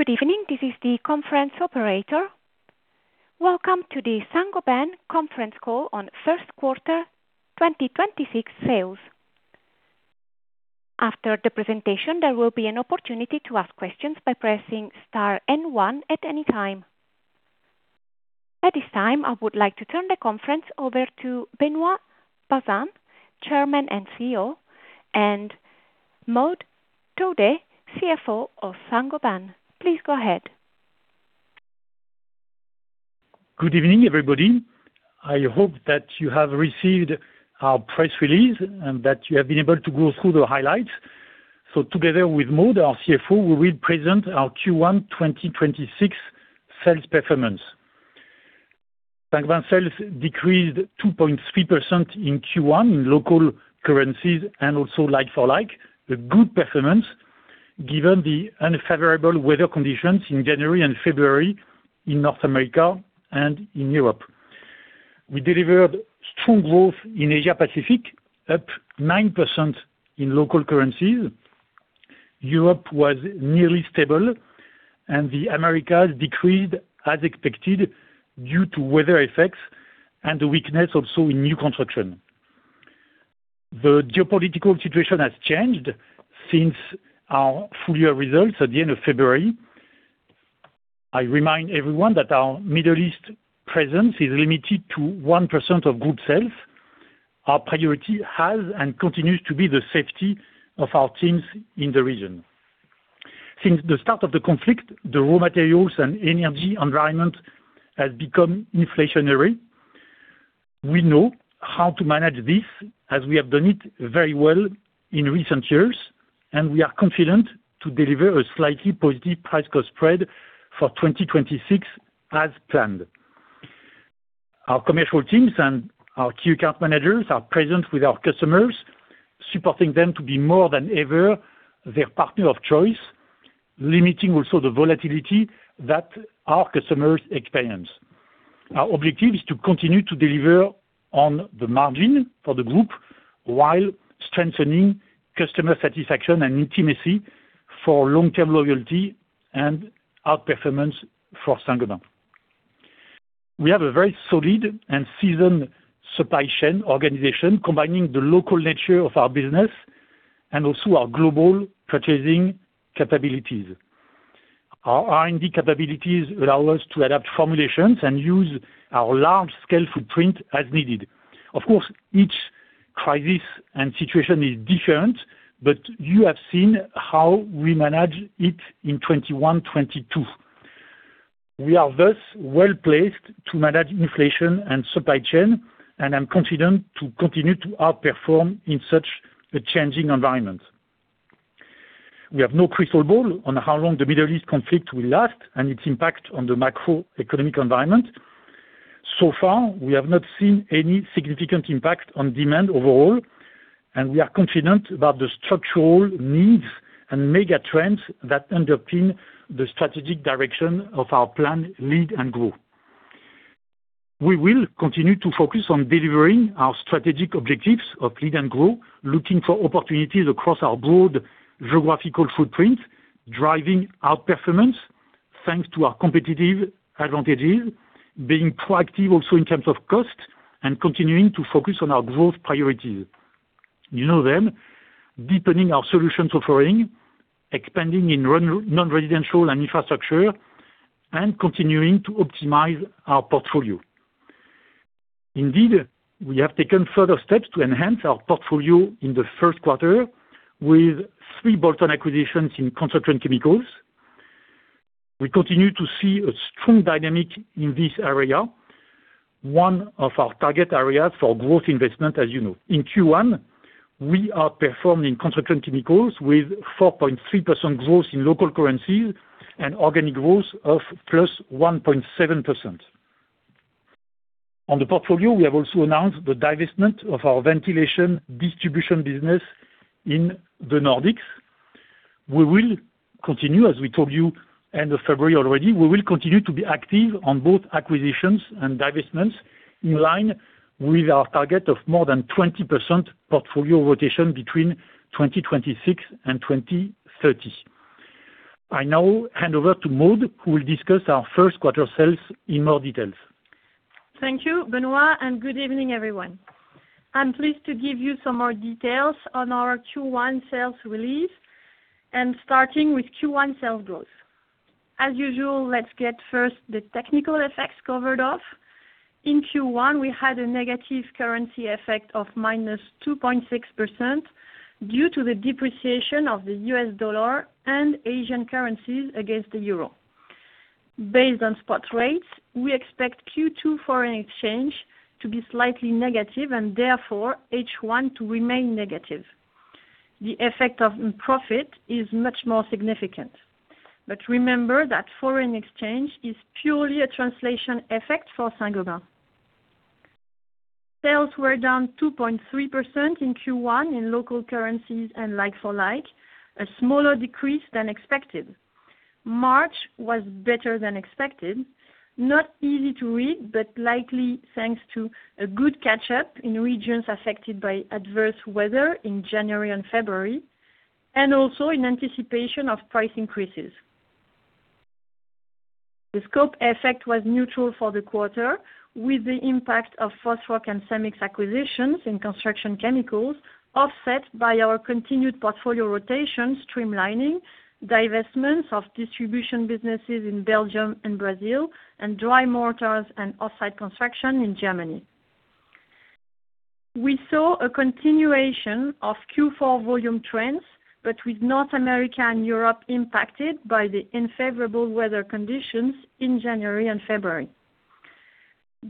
Good evening. This is the conference operator. Welcome to the Saint-Gobain Conference Call on Q1 2026 Sales. After the presentation, there will be an opportunity to ask questions by pressing star and one at any time. At this time, I would like to turn the conference over to Benoît Bazin, Chairman and CEO, and Maud Thuaudet, CFO of Saint-Gobain. Please go ahead. Good evening, everybody. I hope that you have received our press release and that you have been able to go through the highlights. Together with Maud Thuaudet, our CFO, we will present our Q1 2026 sales performance. Saint-Gobain sales decreased 2.3% in Q1 in local currencies and also like-for-like, a good performance given the unfavorable weather conditions in January and February in North America and in Europe. We delivered strong growth in Asia Pacific, up 9% in local currencies. Europe was nearly stable and the Americas decreased as expected due to weather effects and the weakness also in new construction. The geopolitical situation has changed since our full-year results at the end of February. I remind everyone that our Middle East presence is limited to 1% of group sales. Our priority has and continues to be the safety of our teams in the region. Since the start of the conflict, the raw materials and energy environment has become inflationary. We know how to manage this as we have done it very well in recent years, and we are confident to deliver a slightly positive price cost spread for 2026 as planned. Our commercial teams and our key account managers are present with our customers, supporting them to be more than ever their partner of choice, limiting also the volatility that our customers experience. Our objective is to continue to deliver on the margin for the group while strengthening customer satisfaction and intimacy for long-term loyalty and outperformance for Saint-Gobain. We have a very solid and seasoned supply chain organization combining the local nature of our business and also our global purchasing capabilities. Our R&D capabilities allow us to adapt formulations and use our large-scale footprint as needed. Of course, each crisis and situation is different, but you have seen how we manage it in 2021, 2022. We are thus well-placed to manage inflation and supply chain and I'm confident to continue to outperform in such a changing environment. We have no crystal ball on how long the Middle East conflict will last and its impact on the macroeconomic environment. So far, we have not seen any significant impact on demand overall, and we are confident about the structural needs and mega trends that underpin the strategic direction of our plan, Lead and Grow. We will continue to focus on delivering our strategic objectives of Lead and Grow, looking for opportunities across our broad geographical footprint, driving outperformance thanks to our competitive advantages, being proactive also in terms of cost, and continuing to focus on our growth priorities. You know them, deepening our solutions offering, expanding in non-residential and infrastructure, and continuing to optimize our portfolio. Indeed, we have taken further steps to enhance our portfolio in the Q1 with three bolt-on acquisitions in Construction Chemicals. We continue to see a strong dynamic in this area, one of our target areas for growth investment, as you know. In Q1, performance in Construction Chemicals with 4.3% growth in local currencies and organic growth of +1.7%. On the portfolio, we have also announced the divestment of our ventilation distribution business in the Nordics. We will continue, as we told you end of February already, we will continue to be active on both acquisitions and divestments, in line with our target of more than 20% portfolio rotation between 2026 and 2030. I now hand over to Maud, who will discuss our Q1 sales in more details. Thank you, Benoît, and good evening, everyone. I'm pleased to give you some more details on our Q1 sales release and starting with Q1 sales growth. As usual, let's get first the technical effects covered off. In Q1, we had a negative currency effect of -2.6% due to the depreciation of the US dollar and Asian currencies against the euro. Based on spot rates, we expect Q2 foreign exchange to be slightly negative and therefore H1 to remain negative. The effect on profit is much more significant. Remember that foreign exchange is purely a translation effect for Saint-Gobain. Sales were down 2.3% in Q1 in local currencies and like-for-like, a smaller decrease than expected. March was better than expected. not easy to read, but likely thanks to a good catch-up in regions affected by adverse weather in January and February, and also in anticipation of price increases. The scope effect was neutral for the quarter with the impact of Fosroc and Cemix acquisitions and Construction Chemicals offset by our continued portfolio rotation, streamlining, divestments of distribution businesses in Belgium and Brazil, and dry mortars and offsite construction in Germany. We saw a continuation of Q4 volume trends, but with North America and Europe impacted by the unfavorable weather conditions in January and February.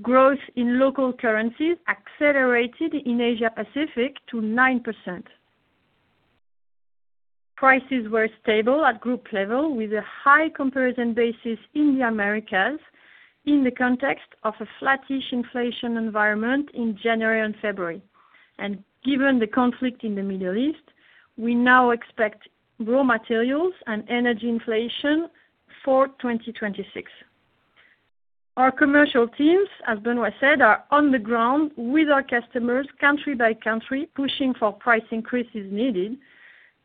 Growth in local currencies accelerated in Asia Pacific to 9%. Prices were stable at group level with a high comparison basis in the Americas in the context of a flattish inflation environment in January and February. Given the conflict in the Middle East, we now expect raw materials and energy inflation for 2026. Our commercial teams, as Benoît said, are on the ground with our customers country by country, pushing for price increases needed,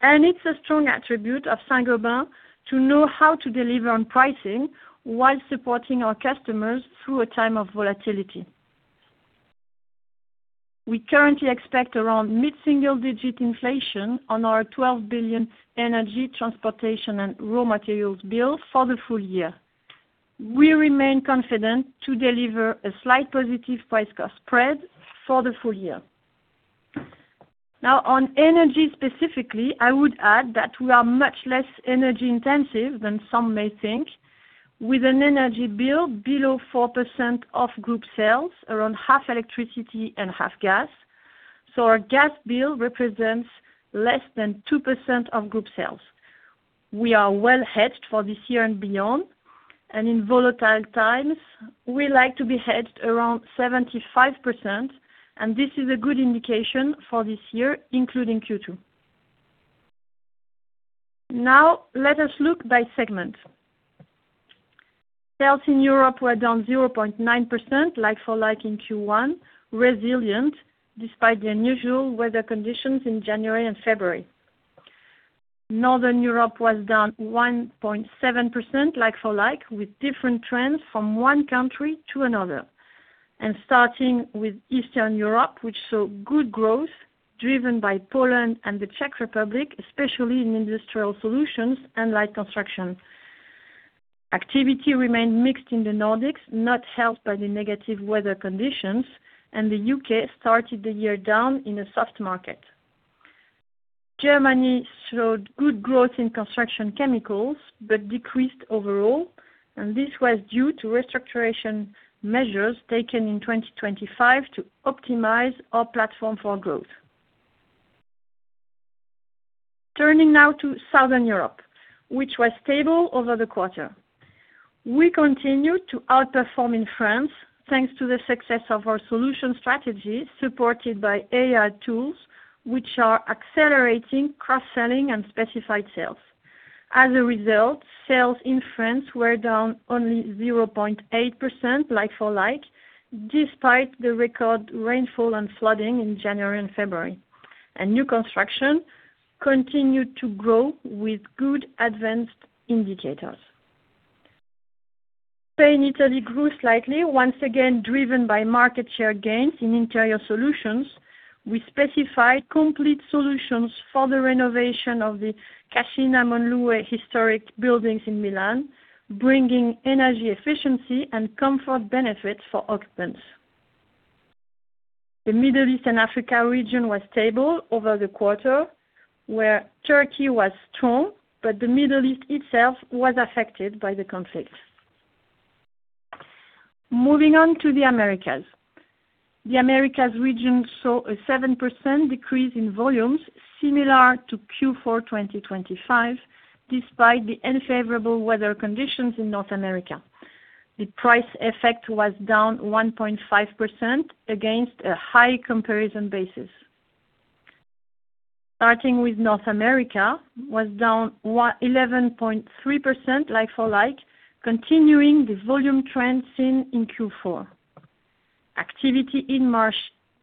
and it's a strong attribute of Saint-Gobain to know how to deliver on pricing while supporting our customers through a time of volatility. We currently expect around mid-single-digit inflation on our 12 billion energy, transportation, and raw materials bill for the full year. We remain confident to deliver a slight positive price-cost spread for the full year. Now, on energy specifically, I would add that we are much less energy intensive than some may think. With an energy bill below 4% of group sales, around half electricity and half gas. So our gas bill represents less than 2% of group sales. We are well hedged for this year and beyond, and in volatile times, we like to be hedged around 75%, and this is a good indication for this year, including Q2. Now, let us look by segment. Sales in Europe were down 0.9% like-for-like in Q1, resilient despite the unusual weather conditions in January and February. Northern Europe was down 1.7% like-for-like, with different trends from one country to another. Starting with Eastern Europe, which saw good growth driven by Poland and the Czech Republic, especially in industrial solutions and light construction. Activity remained mixed in the Nordics, not helped by the negative weather conditions, and the U.K. started the year down in a soft market. Germany showed good growth in Construction Chemicals, but decreased overall, and this was due to restructuring measures taken in 2025 to optimize our platform for growth. Turning now to Southern Europe, which was stable over the quarter. We continued to outperform in France, thanks to the success of our solution strategy, supported by AI tools, which are accelerating cross-selling and specified sales. As a result, sales in France were down only 0.8% like-for-like, despite the record rainfall and flooding in January and February. New construction continued to grow with good advanced indicators. Spain and Italy grew slightly, once again driven by market share gains in interior solutions. We specified complete solutions for the renovation of the Cascina Merlata historic buildings in Milan, bringing energy efficiency and comfort benefits for occupants. The Middle East and Africa region was stable over the quarter, where Turkey was strong, but the Middle East itself was affected by the conflict. Moving on to the Americas. The Americas region saw a 7% decrease in volumes similar to Q4 2025, despite the unfavorable weather conditions in North America. The price effect was down 1.5% against a high comparison basis. Starting with North America, it was down 11.3% like-for-like, continuing the volume trends seen in Q4. Activity in March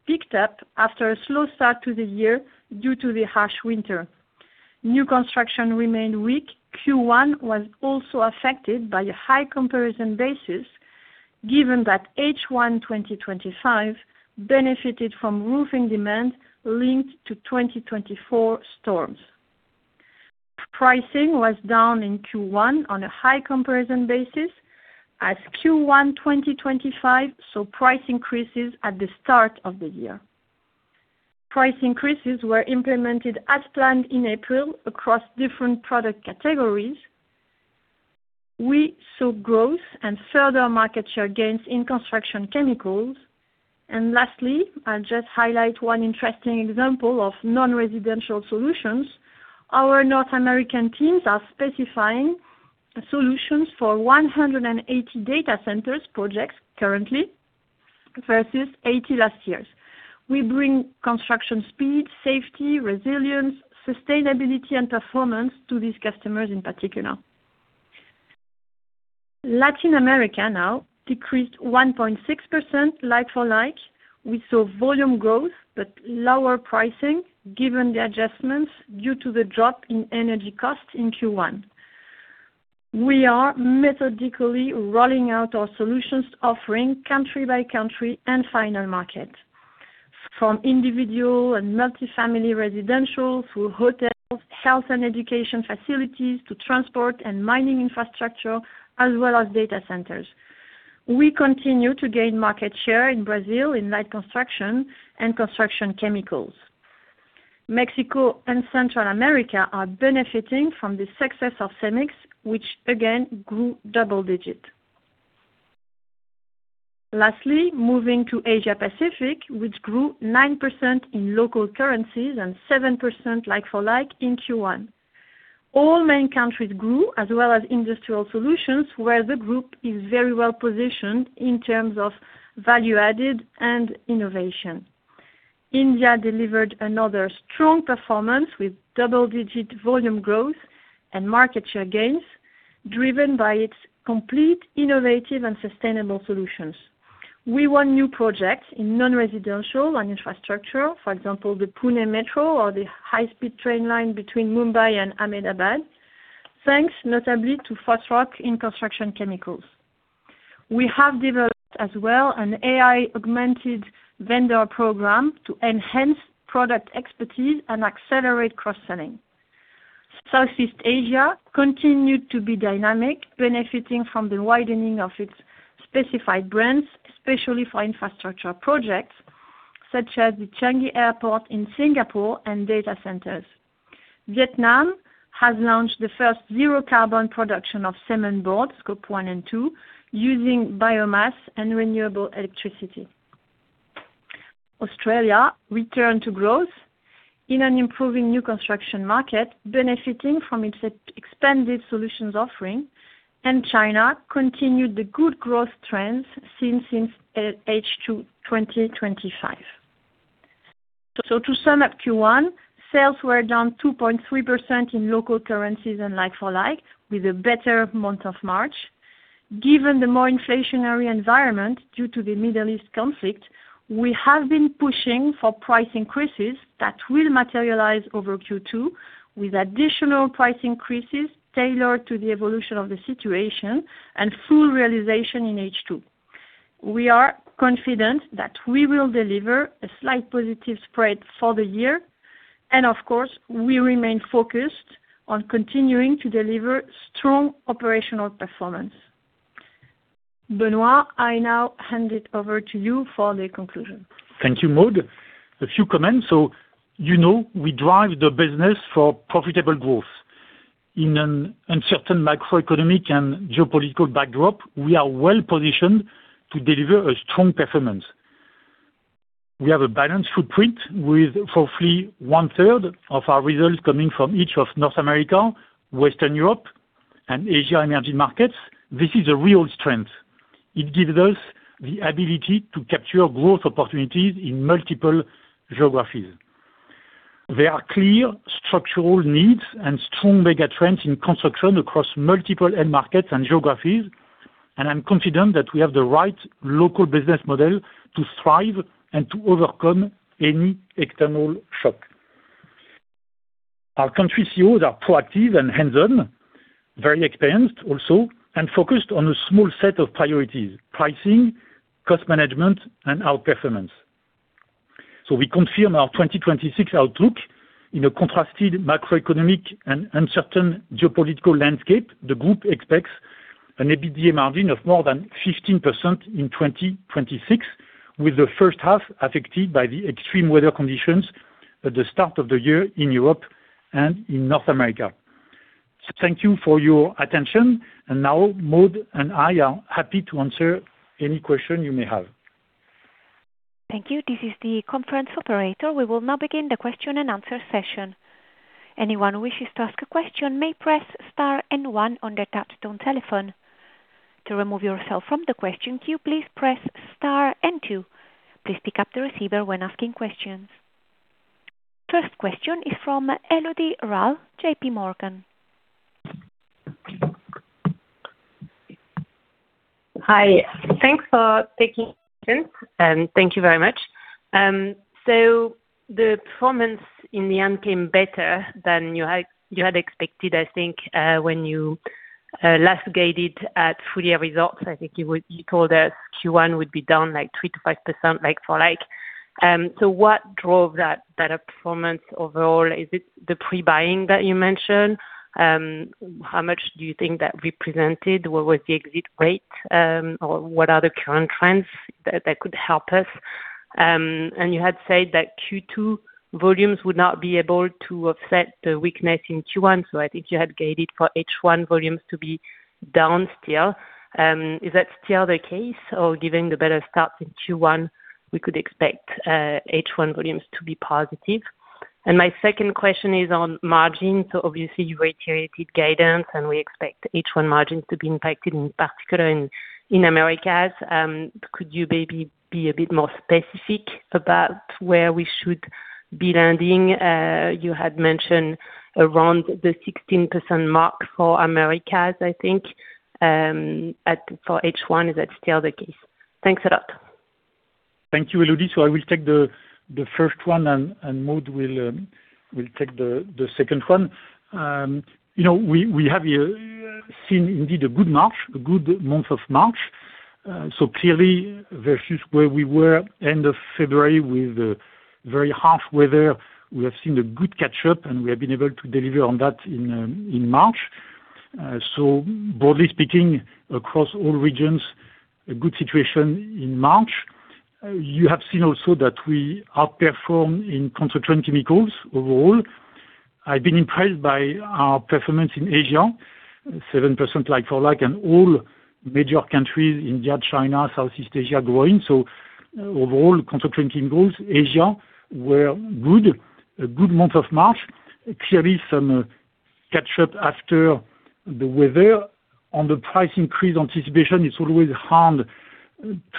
picked up after a slow start to the year due to the harsh winter. New construction remained weak. Q1 was also affected by a high comparison basis given that H1 2025 benefited from roofing demand linked to 2024 storms. Pricing was down in Q1 on a high comparison basis as Q1 2025 saw price increases at the start of the year. Price increases were implemented as planned in April across different product categories. We saw growth and further market share gains in Construction Chemicals. Lastly, I'll just highlight one interesting example of non-residential solutions. Our North American teams are specifying solutions for 180 data center projects currently, versus 80 last year. We bring construction speed, safety, resilience, sustainability and performance to these customers in particular. Latin America now decreased 1.6% like-for-like. We saw volume growth but lower pricing given the adjustments due to the drop in energy costs in Q1. We are methodically rolling out our solutions offering country by country and end market, from individual and multi-family residential through hotels, health and education facilities to transport and mining infrastructure as well as data centers. We continue to gain market share in Brazil in light construction and Construction Chemicals. Mexico and Central America are benefiting from the success of Cemix, which again grew double-digit. Lastly, moving to Asia Pacific, which grew 9% in local currencies and 7% like-for-like in Q1. All main countries grew as well as industrial solutions, where the group is very well positioned in terms of value added and innovation. India delivered another strong performance with double-digit volume growth and market share gains, driven by its complete innovative and sustainable solutions. We won new projects in non-residential and infrastructure, for example, the Pune Metro or the high-speed train line between Mumbai and Ahmedabad, thanks notably to Fosroc in Construction Chemicals. We have developed as well an AI augmented vendor program to enhance product expertise and accelerate cross-selling. Southeast Asia continued to be dynamic, benefiting from the widening of its specified brands, especially for infrastructure projects such as the Changi Airport in Singapore and data centers. Vietnam has launched the first zero carbon production of cement board, Scope 1 and 2, using biomass and renewable electricity. Australia returned to growth in an improving new construction market, benefiting from its expanded solutions offering, and China continued the good growth trends seen since H2 2025. To sum up Q1, sales were down 2.3% in local currencies and like-for-like, with a better month of March. Given the more inflationary environment due to the Middle East conflict, we have been pushing for price increases that will materialize over Q2 with additional price increases tailored to the evolution of the situation and full realization in H2. We are confident that we will deliver a slight positive spread for the year, and of course, we remain focused on continuing to deliver strong operational performance. Benoît, I now hand it over to you for the conclusion. Thank you, Maud. A few comments. You know, we drive the business for profitable growth. In an uncertain macroeconomic and geopolitical backdrop, we are well-positioned to deliver a strong performance. We have a balanced footprint with roughly 1/3 of our results coming from each of North America, Western Europe, and Asian emerging markets. This is a real strength. It gives us the ability to capture growth opportunities in multiple geographies. There are clear structural needs and strong mega trends in construction across multiple end markets and geographies, and I'm confident that we have the right local business model to thrive and to overcome any external shock. Our country CEOs are proactive and hands-on, very experienced also, and focused on a small set of priorities, pricing, cost management, and outperformance. We confirm our 2026 outlook in a contrasted macroeconomic and uncertain geopolitical landscape. The group expects an EBITDA margin of more than 15% in 2026, with the H1 affected by the extreme weather conditions at the start of the year in Europe and in North America. Thank you for your attention. Now Maud and I are happy to answer any question you may have. Thank you. This is the conference operator. We will now begin the question and answer session. Anyone who wishes to ask a question may press star and one on their touchtone telephone. To remove yourself from the question queue, please press star and two. Please pick up the receiver when asking questions. First question is from Elodie Rall, JPMorgan. Hi. Thanks for taking question, and thank you very much. The performance in the end came better than you had expected, I think, when you last guided at full year results. I think you told us Q1 would be down 3%-5% like-for-like. What drove that better performance overall? Is it the pre-buying that you mentioned? How much do you think that represented? What was the exit rate? Or what are the current trends that could help us? You had said that Q2 volumes would not be able to offset the weakness in Q1, so I think you had guided for H1 volumes to be down still. Is that still the case, or given the better start in Q1, we could expect H1 volumes to be positive? My second question is on margin. Obviously you reiterated guidance, and we expect H1 margins to be impacted, in particular in Americas. Could you maybe be a bit more specific about where we should be landing? You had mentioned around the 16% mark for Americas, I think. For H1, is that still the case? Thanks a lot. Thank you, Elodie. I will take the first one and Maud will take the second one. We have here seen indeed a good month of March. Clearly versus where we were end of February with very harsh weather, we have seen a good catch-up, and we have been able to deliver on that in March. Broadly speaking, across all regions, a good situation in March. You have seen also that we outperform in Construction Chemicals overall. I've been impressed by our performance in Asia, 7% like-for-like, and all major countries, India, China, Southeast Asia growing. Overall, Construction Chemicals, Asia were good. A good month of March. Clearly some catch-up after the weather. On the price increase anticipation, it's always hard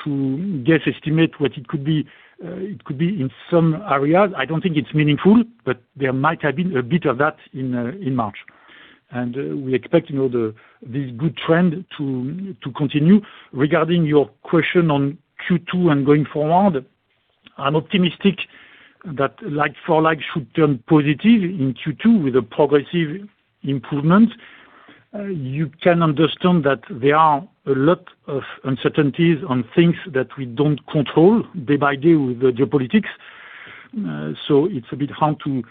to guess, estimate what it could be. It could be in some areas, I don't think it's meaningful, but there might have been a bit of that in March. We expect this good trend to continue. Regarding your question on Q2 and going forward, I'm optimistic that like-for-like should turn positive in Q2 with a progressive improvement. You can understand that there are a lot of uncertainties on things that we don't control day by day with the geopolitics. It's a bit hard to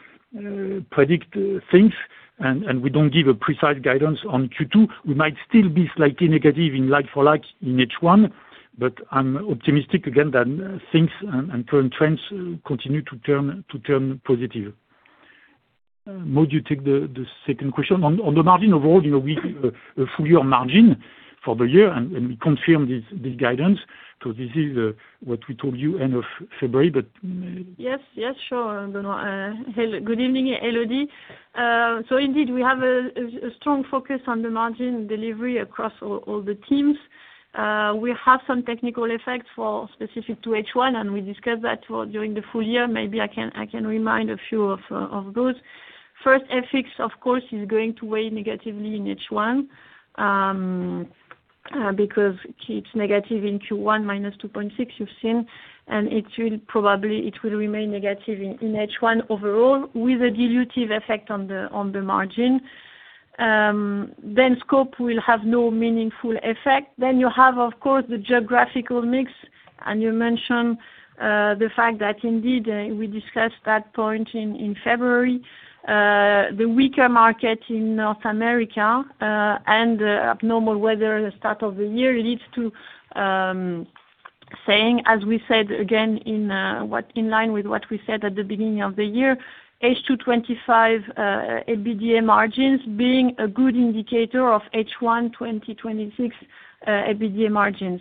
predict things, and we don't give a precise guidance on Q2. We might still be slightly negative in like-for-like in H1, but I'm optimistic again that things and current trends continue to turn positive. Maud, you take the second question. On the margin overall, we give a full year margin for the year, and we confirm this guidance. This is what we told you end of February, but... Yes, sure, Benoît. Good evening, Elodie. Indeed, we have a strong focus on the margin delivery across all the teams. We have some technical effects specific to H1, and we discussed that during the full year. Maybe I can remind a few of those. First, FX, of course, is going to weigh negatively in H1, because it's negative in Q1, -2.6% you've seen, and probably it will remain negative in H1 overall with a dilutive effect on the margin. Scope will have no meaningful effect. You have, of course, the geographical mix, and you mentioned the fact that indeed, we discussed that point in February. The weaker market in North America, and abnormal weather at the start of the year leads to saying, as we said, again, in line with what we said at the beginning of the year, H2 2025 EBITDA margins being a good indicator of H1 2026 EBITDA margins.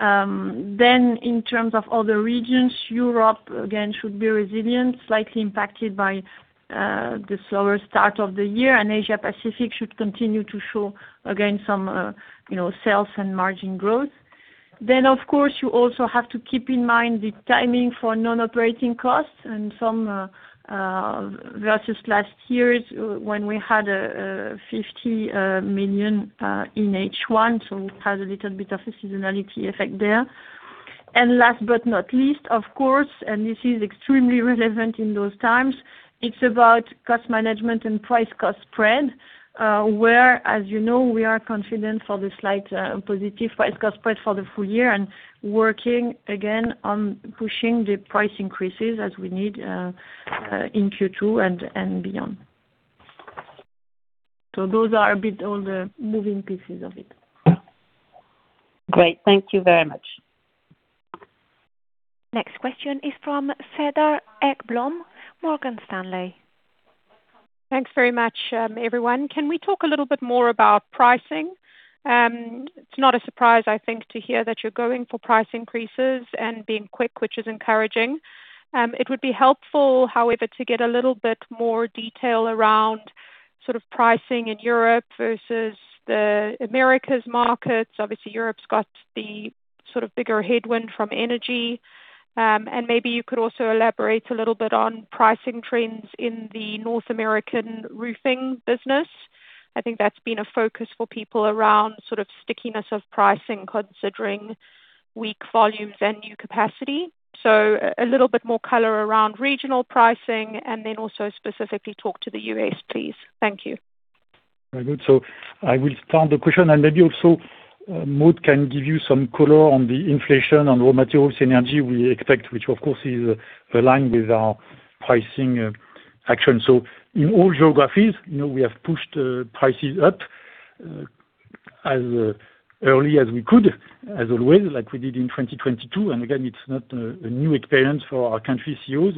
In terms of other regions, Europe again should be resilient, slightly impacted by the slower start of the year, and Asia Pacific should continue to show, again, some sales and margin growth. Of course, you also have to keep in mind the timing for non-operating costs and some, versus last year when we had 50 million in H1, so it has a little bit of a seasonality effect there. Last but not least, of course, and this is extremely relevant in those times, it's about cost management and price cost spread, where, as you know, we are confident for the slight positive price cost spread for the full year and working again on pushing the price increases as we need in Q2 and beyond. Those are a bit all the moving pieces of it. Great. Thank you very much. Next question is from Cedar Ekblom, Morgan Stanley. Thanks very much, everyone. Can we talk a little bit more about pricing? It's not a surprise, I think, to hear that you're going for price increases and being quick, which is encouraging. It would be helpful, however, to get a little bit more detail around sort of pricing in Europe versus the Americas markets. Obviously, Europe's got the sort of bigger headwind from energy. Maybe you could also elaborate a little bit on pricing trends in the North American roofing business. I think that's been a focus for people around stickiness of pricing, considering weak volumes and new capacity. A little bit more color around regional pricing and then also specifically talk to the U.S., please. Thank you. Very good. I will start the question and maybe also Maud Thuaudet can give you some color on the inflation on raw materials, energy we expect, which, of course, is aligned with our pricing action. In all geographies, we have pushed prices up as early as we could, as always, like we did in 2022. Again, it's not a new experience for our country CEOs,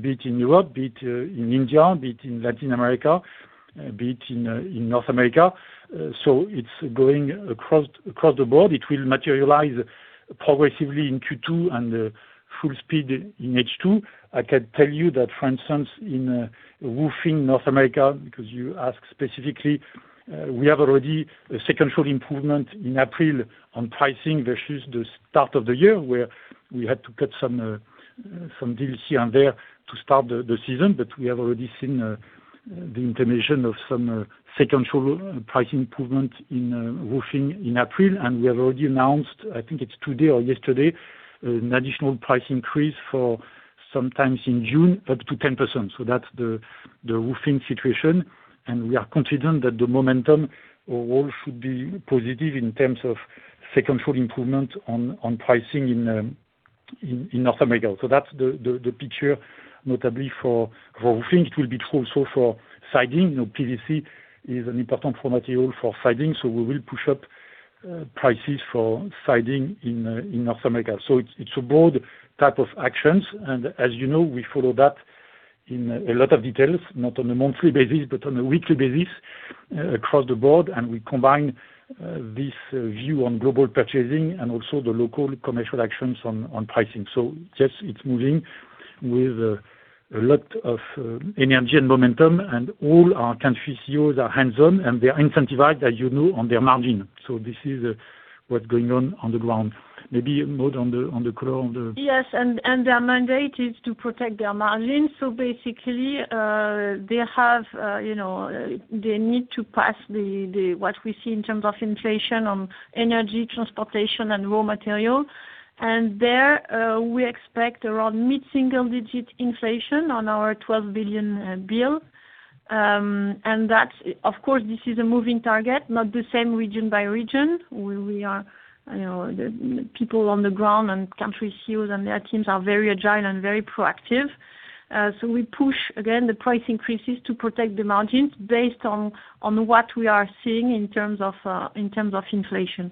be it in Europe, be it in India, be it in Latin America, be it in North America. It's going across the board. It will materialize progressively in Q2 and full speed in H2. I can tell you that, for instance, in roofing North America, because you asked specifically, we have already a Q2 improvement in April on pricing versus the start of the year where we had to cut some deals here and there to start the season. We have already seen the indication of some sequential pricing improvement in roofing in April, and we have already announced, I think it's today or yesterday, an additional price increase for sometime in June up to 10%. That's the roofing situation, and we are confident that the momentum overall should be positive in terms of sequential improvement on pricing in North America. That's the picture, notably for roofing. It will be true also for siding. PVC is an important raw material for siding, so we will push up prices for siding in North America. It's a broad type of actions. As you know, we follow that in a lot of details, not on a monthly basis, but on a weekly basis across the board. We combine this view on global purchasing and also the local commercial actions on pricing. Yes, it's moving with a lot of energy and momentum, and all our country CEOs are hands-on, and they are incentivized, as you know, on their margin. This is what's going on on the ground. Maybe Maud on the call on the- Yes. Their mandate is to protect their margins. Basically, they need to pass what we see in terms of inflation on energy, transportation, and raw materials. There, we expect around mid-single-digit inflation on our 12 billion bill. Of course, this is a moving target, not the same region by region, where we are. The people on the ground and country CEOs and their teams are very agile and very proactive. We push, again, the price increases to protect the margins based on what we are seeing in terms of inflation.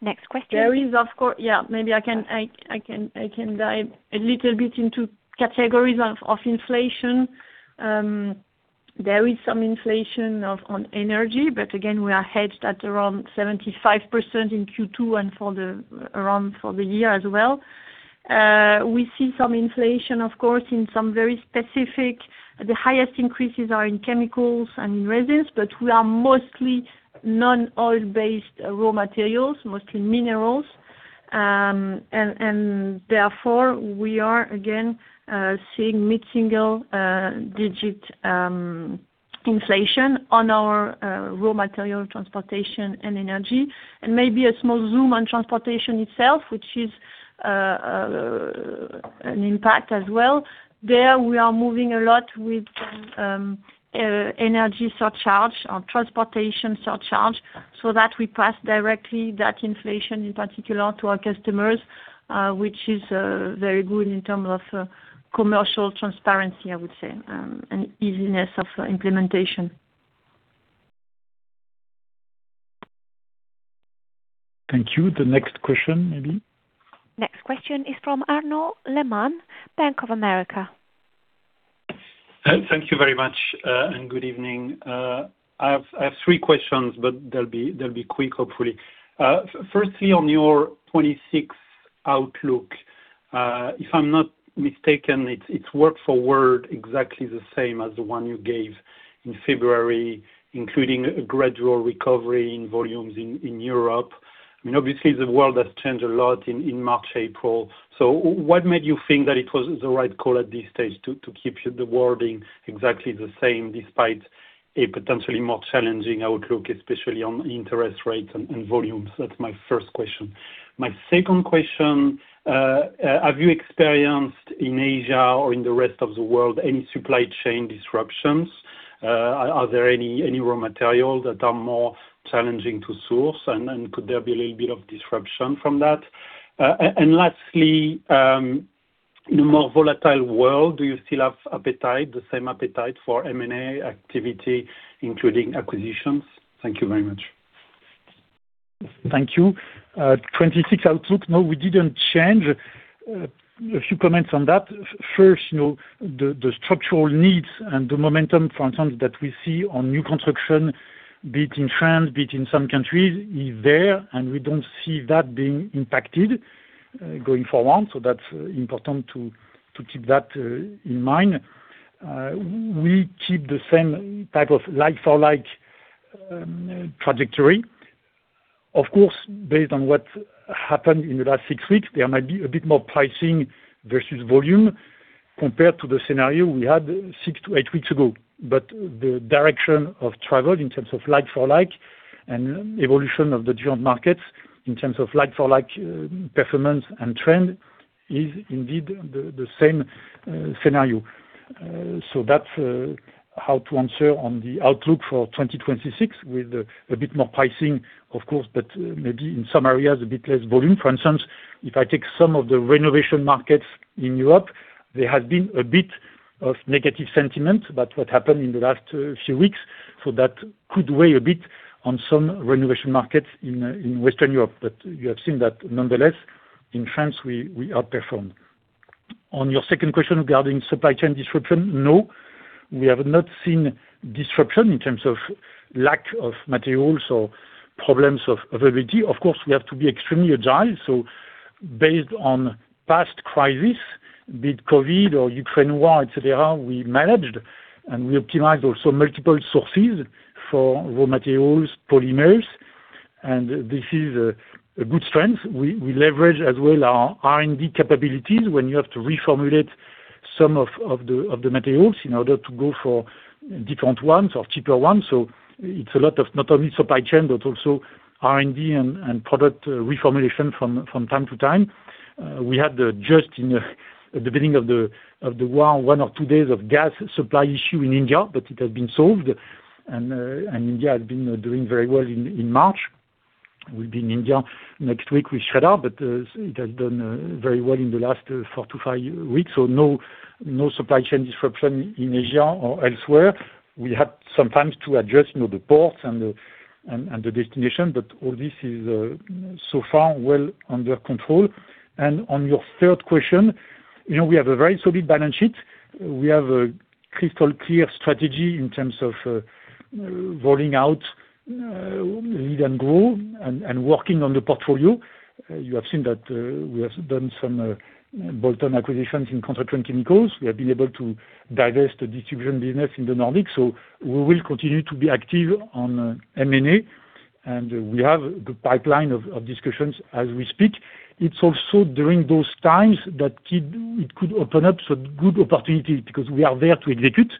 Next question. There is, of course, yeah, maybe I can dive a little bit into categories of inflation. There is some inflation on energy, but again, we are hedged at around 75% in Q2 and around 75% for the year as well. We see some inflation, of course, in some very specific, the highest increases are in chemicals and in resins, but we are mostly non-oil-based raw materials, mostly minerals. Therefore, we are again seeing mid-single digit inflation on our raw material transportation and energy. Maybe a small zoom on transportation itself, which is an impact as well. There, we are moving a lot with energy surcharge or transportation surcharge, so that we pass directly that inflation in particular to our customers, which is very good in terms of commercial transparency, I would say, and easiness of implementation. Thank you. The next question, maybe. Next question is from Arnaud Lehmann, Bank of America. Thank you very much, and good evening. I have three questions, but they'll be quick, hopefully. Firstly, on your 2026 outlook, if I'm not mistaken, it's word for word exactly the same as the one you gave in February, including a gradual recovery in volumes in Europe. Obviously, the world has changed a lot in March, April. What made you think that it was the right call at this stage to keep the wording exactly the same despite a potentially more challenging outlook, especially on interest rates and volumes? That's my first question. My second question, have you experienced in Asia or in the rest of the world any supply chain disruptions? Are there any raw materials that are more challenging to source? And could there be a little bit of disruption from that? Lastly, in a more volatile world, do you still have the same appetite for M&A activity, including acquisitions? Thank you very much. Thank you. 2026 outlook. No, we didn't change. A few comments on that. First, the structural needs and the momentum, for instance, that we see on new construction, be it in France, be it in some countries, is there, and we don't see that being impacted going forward. That's important to keep that in mind. We keep the same type of like-for-like trajectory. Of course, based on what happened in the last six weeks, there might be a bit more pricing versus volume compared to the scenario we had six to eight weeks ago. The direction of travel in terms of like-for-like and evolution of the different markets in terms of like-for-like performance and trend is indeed the same scenario. That's how to answer on the outlook for 2026 with a bit more pricing, of course, but maybe in some areas, a bit less volume. For instance, if I take some of the renovation markets in Europe, there has been a bit of negative sentiment about what happened in the last few weeks. That could weigh a bit on some renovation markets in Western Europe. You have seen that nonetheless, in France, we outperformed. On your second question regarding supply chain disruption, no. We have not seen disruption in terms of lack of materials or problems of availability. Of course, we have to be extremely agile. Based on past crisis, be it COVID or Ukraine war, et cetera, we managed and we optimized also multiple sources for raw materials, polymers, and this is a good strength. We leverage as well our R&D capabilities when you have to reformulate some of the materials in order to go for different ones or cheaper ones. It's a lot of not only supply chain, but also R&D and product reformulation from time to time. We had just in the beginning of the war, one or two days of gas supply issue in India, but it has been solved. India has been doing very well in March. We'll be in India next week with Shradha, but it has done very well in the last four-five weeks. No supply chain disruption in Asia or elsewhere. We have sometimes to adjust the ports and the destination, but all this is so far well under control. On your third question, we have a very solid balance sheet. We have a crystal clear strategy in terms of rolling out Lead and Grow and working on the portfolio. You have seen that we have done some bolt-on acquisitions in Construction Chemicals. We have been able to divest the distribution business in the Nordics. We will continue to be active on M&A, and we have a good pipeline of discussions as we speak. It's also during those times that it could open up some good opportunities because we are there to execute.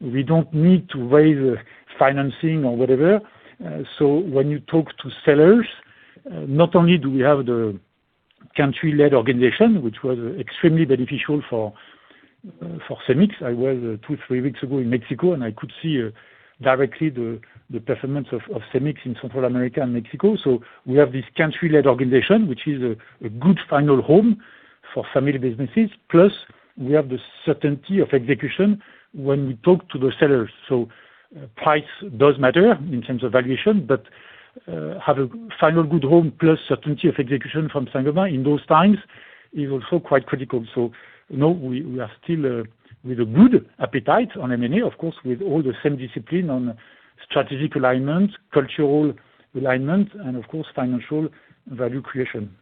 We don't need to raise financing or whatever. When you talk to sellers, not only do we have the country-led organization, which was extremely beneficial for Cemix. I was two, three weeks ago in Mexico, and I could see directly the performance of Cemix in Central America and Mexico. We have this country-led organization, which is a good final home for family businesses. Plus, we have the certainty of execution when we talk to the sellers. Price does matter in terms of valuation, but having a final good home plus certainty of execution from Saint-Gobain in those times is also quite critical. We are still with a good appetite on M&A, of course, with all the same discipline on strategic alignment, cultural alignment, and of course, financial value creation.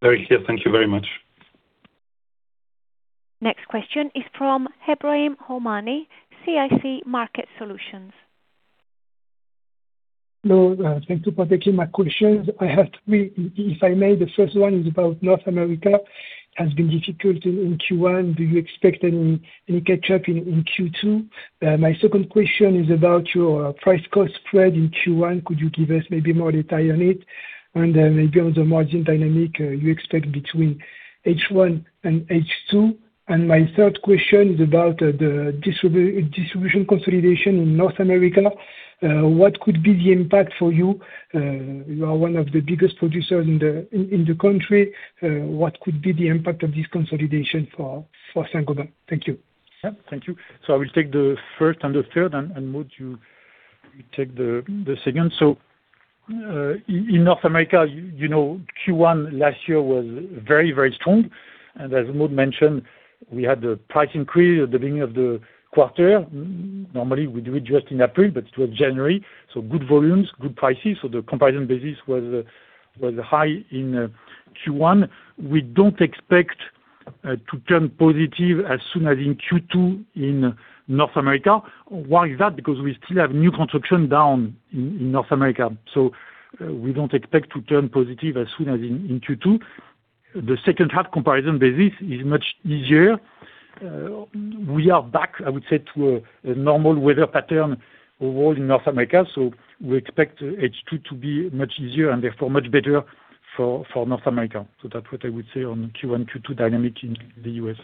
Very clear. Thank you very much. Next question is from Ebrahim Homani, CIC Market Solutions. Hello. Thank you for taking my questions. I have three, if I may. The first one is about North America, has been difficult in Q1. Do you expect any catch up in Q2? My second question is about your price cost spread in Q1. Could you give us maybe more detail on it? Maybe on the margin dynamic you expect between H1 and H2. My third question is about the distribution consolidation in North America. What could be the impact for you? You are one of the biggest producers in the country. What could be the impact of this consolidation for Saint-Gobain? Thank you. Yeah, thank you. I will take the first and the third, and Maud, you take the second. In North America, Q1 last year was very strong. As Maud mentioned, we had the price increase at the beginning of the quarter. Normally, we do it just in April, but it was January. Good volumes, good prices. The comparison basis was high in Q1. We don't expect to turn positive as soon as in Q2 in North America. Why is that? Because we still have new construction down in North America. We don't expect to turn positive as soon as in Q2. The H2 comparison basis is much easier. We are back, I would say, to a normal weather pattern overall in North America. We expect H2 to be much easier and therefore much better for North America. That's what I would say on Q1, Q2 dynamic in the U.S.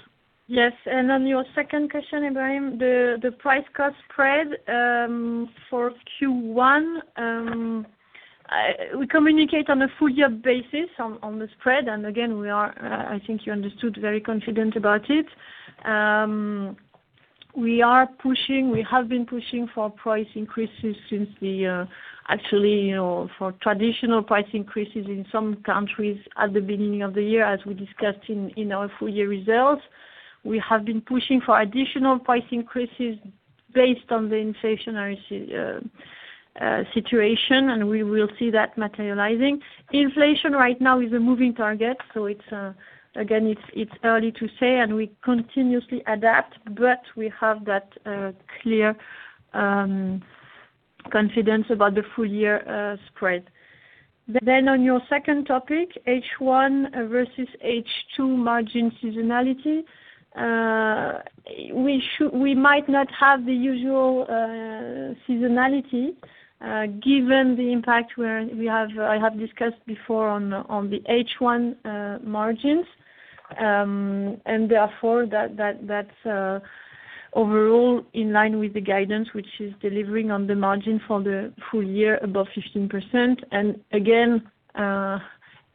Yes. On your second question, Ebrahim, the price cost spread, for Q1, we communicate on a full year basis on the spread. Again, I think you understand we're very confident about it. We are pushing, we have been pushing for price increases. Actually, for traditional price increases in some countries at the beginning of the year, as we discussed in our full year results. We have been pushing for additional price increases based on the inflationary situation, and we will see that materializing. Inflation right now is a moving target. Again, it's early to say, and we continuously adapt, but we have that clear confidence about the full year spread. On your second topic, H1 versus H2 margin seasonality. We might not have the usual seasonality, given the impact I have discussed before on the H1 margins. Therefore that's overall in line with the guidance which is delivering on the margin for the full year above 15%. Again,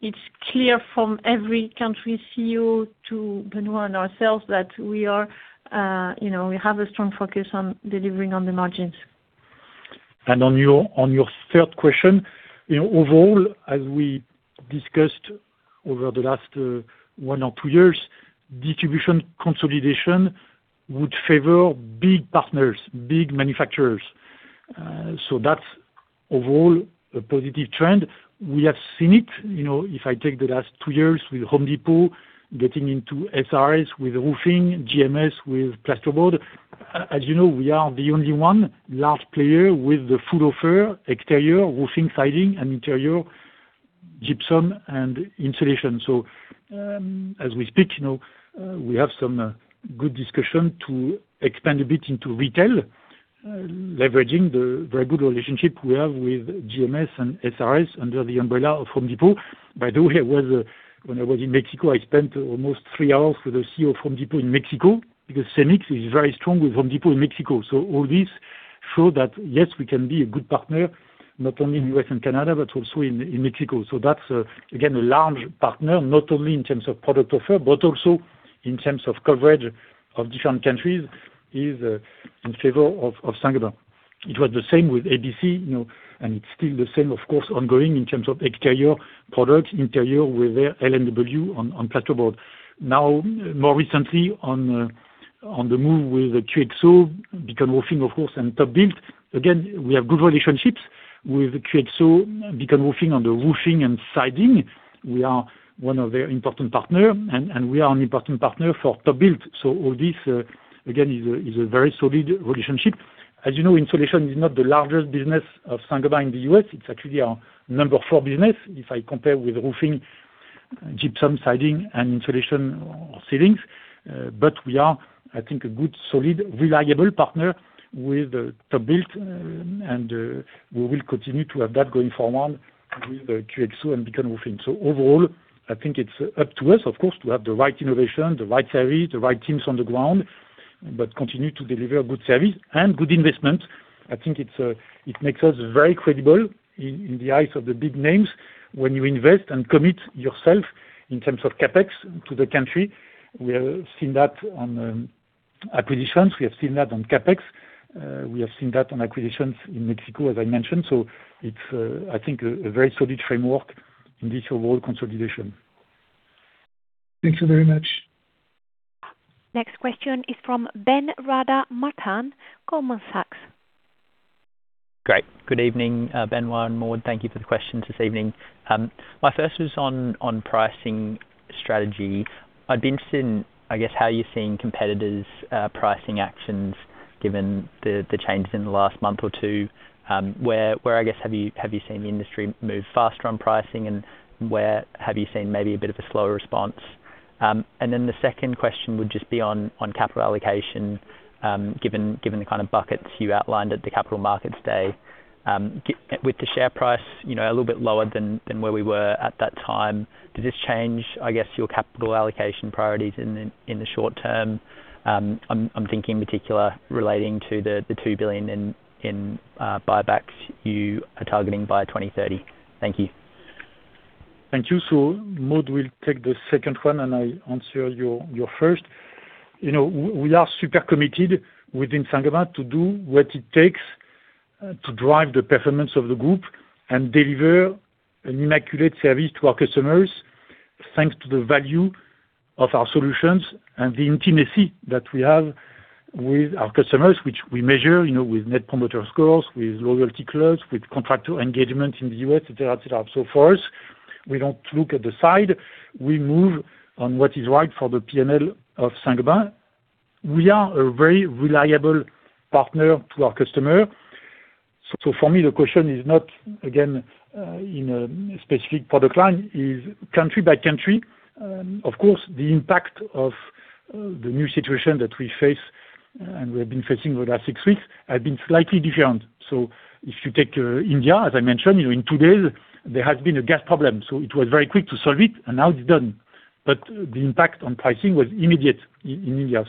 it's clear from every country CEO to Benoît and ourselves that we have a strong focus on delivering on the margins. On your third question, overall, as we discussed over the last one or two years, distribution consolidation would favor big partners, big manufacturers. That's overall a positive trend. We have seen it, if I take the last two years with Home Depot getting into SRS with roofing, GMS with plaster board. As you know, we are the only one large player with the full offer, exterior, roofing, siding, and interior gypsum and insulation. As we speak, we have some good discussion to expand a bit into retail, leveraging the very good relationship we have with GMS and SRS under the umbrella of Home Depot. By the way, when I was in Mexico, I spent almost three hours with the CEO of Home Depot in Mexico, because CEMEX is very strong with Home Depot in Mexico. All this show that, yes, we can be a good partner not only in U.S. and Canada, but also in Mexico. That's, again, a large partner, not only in terms of product offer, but also in terms of coverage of different countries is in favor of Saint-Gobain. It was the same with ABC, and it's still the same, of course, ongoing in terms of exterior product, interior with their L&W on plasterboard. Now, more recently on the move with QXO, Beacon Roofing, of course, and TopBuild. Again, we have good relationships with QXO, Beacon Roofing on the roofing and siding. We are one of their important partner, and we are an important partner for TopBuild. All this, again, is a very solid relationship. As you know, insulation is not the largest business of Saint-Gobain in the U.S. It's actually our number four business if I compare with roofing, gypsum, siding, and insulation or ceilings. We are, I think, a good solid, reliable partner with TopBuild, and we will continue to have that going forward with QXO and Beacon Roofing Supply. Overall, I think it's up to us, of course, to have the right innovation, the right service, the right teams on the ground, but continue to deliver a good service and good investment. I think it makes us very credible in the eyes of the big names when you invest and commit yourself in terms of CapEx to the country. We have seen that on acquisitions. We have seen that on CapEx. We have seen that on acquisitions in Mexico, as I mentioned. It's, I think, a very solid framework in this overall consolidation. Thank you very much. Next question is from Benjamin Rada Martin, Goldman Sachs. Great. Good evening, Benoît and Maud. Thank you for the questions this evening. My first was on pricing strategy. I'd be interested in, I guess, how you're seeing competitors' pricing actions, given the changes in the last month or two, where, I guess, have you seen the industry move faster on pricing and where have you seen maybe a bit of a slower response? The second question would just be on capital allocation, given the kind of buckets you outlined at the Capital Markets Day. With the share price a little bit lower than where we were at that time, does this change, I guess, your capital allocation priorities in the short term? I'm thinking in particular relating to the 2 billion in buybacks you are targeting by 2030. Thank you. Thank you. Maud will take the second one, and I answer your first. We are super committed within Saint-Gobain to do what it takes to drive the performance of the group and deliver an immaculate service to our customers, thanks to the value of our solutions and the intimacy that we have with our customers, which we measure with Net Promoter Score, with loyalty clause, with contractor engagement in the U.S., et cetera. For us, we don't look aside. We move on what is right for the P&L of Saint-Gobain. We are a very reliable partner to our customer. For me, the question is not, again, in a specific product line, is country by country. Of course, the impact of the new situation that we face and we have been facing over the last six weeks has been slightly different. If you take India, as I mentioned, in two days, there has been a gas problem, so it was very quick to solve it, and now it's done. The impact on pricing was immediate in India.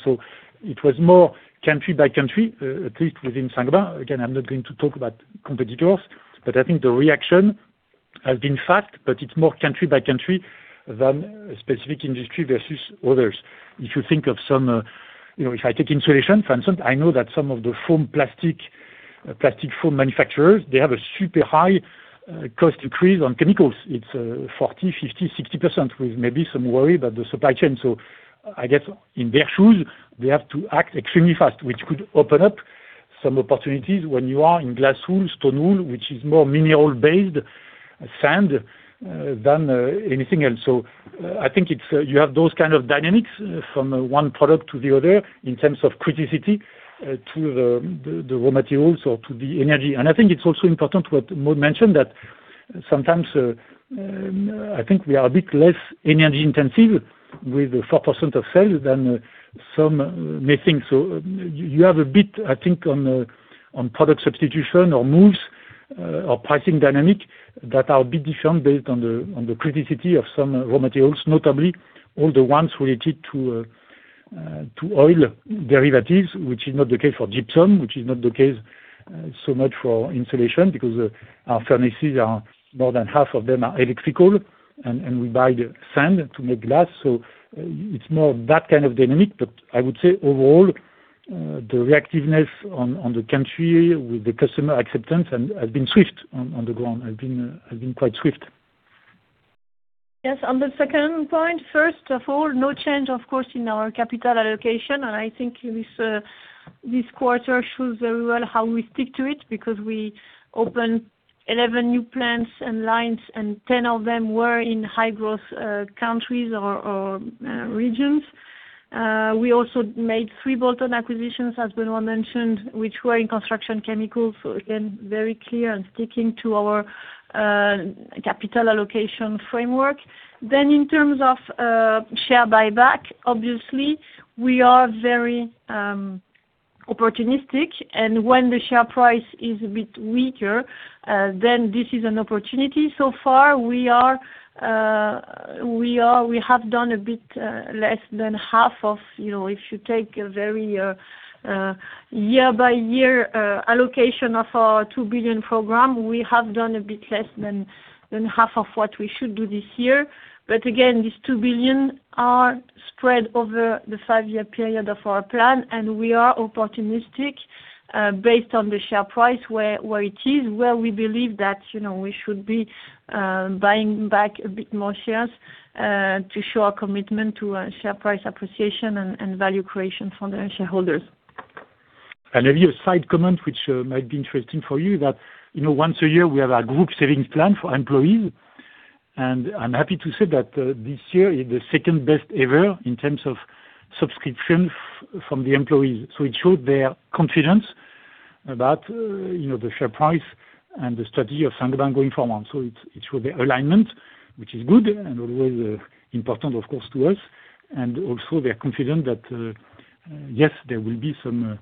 It was more country by country, at least within Saint-Gobain. Again, I'm not going to talk about competitors, but I think the reaction has been fast, but it's more country by country than a specific industry versus others. If I take insulation, for instance, I know that some of the plastic foam manufacturers, they have a super high cost increase on chemicals. It's 40%, 50%, 60% with maybe some worry about the supply chain. I guess in their shoes, they have to act extremely fast, which could open up some opportunities when you are in glass wool, stone wool, which is more mineral-based sand than anything else. I think you have those kind of dynamics from one product to the other in terms of criticality to the raw materials or to the energy. I think it's also important what Maud mentioned that sometimes I think we are a bit less energy intensive with 4% of sales than some may think. You have a bit, I think, on product substitution or moves or pricing dynamic that are a bit different based on the criticality of some raw materials, notably all the ones related to oil derivatives, which is not the case for gypsum, which is not the case so much for insulation because our furnaces, more than half of them are electrical, and we buy the sand to make glass. It's more that kind of dynamic. I would say overall, the responsiveness in the country with the customer acceptance has been swift on the ground, quite swift. Yes. On the second point, first of all, no change, of course, in our capital allocation. I think this quarter shows very well how we stick to it, because we opened 11 new plants and lines, and 10 of them were in high-growth countries or regions. We also made three bolt-on acquisitions, as Benoît mentioned, which were in Construction Chemicals. Again, very clear and sticking to our capital allocation framework. In terms of share buyback, obviously, we are very opportunistic, and when the share price is a bit weaker, then this is an opportunity. So far, we have done a bit less than half of, if you take a very year-by-year allocation of our 2 billion program, what we should do this year. Again, these 2 billion are spread over the five-year period of our plan, and we are opportunistic based on the share price where it is, where we believe that we should be buying back a bit more shares to show our commitment to share price appreciation and value creation for the shareholders. A side comment which might be interesting for you, that once a year, we have a group savings plan for employees. I'm happy to say that this year is the second-best ever in terms of subscriptions from the employees. It shows their confidence about the share price and the strategy of Saint-Gobain going forward. It shows their alignment, which is good and always important, of course, to us. Also, they're confident that, yes, there will be some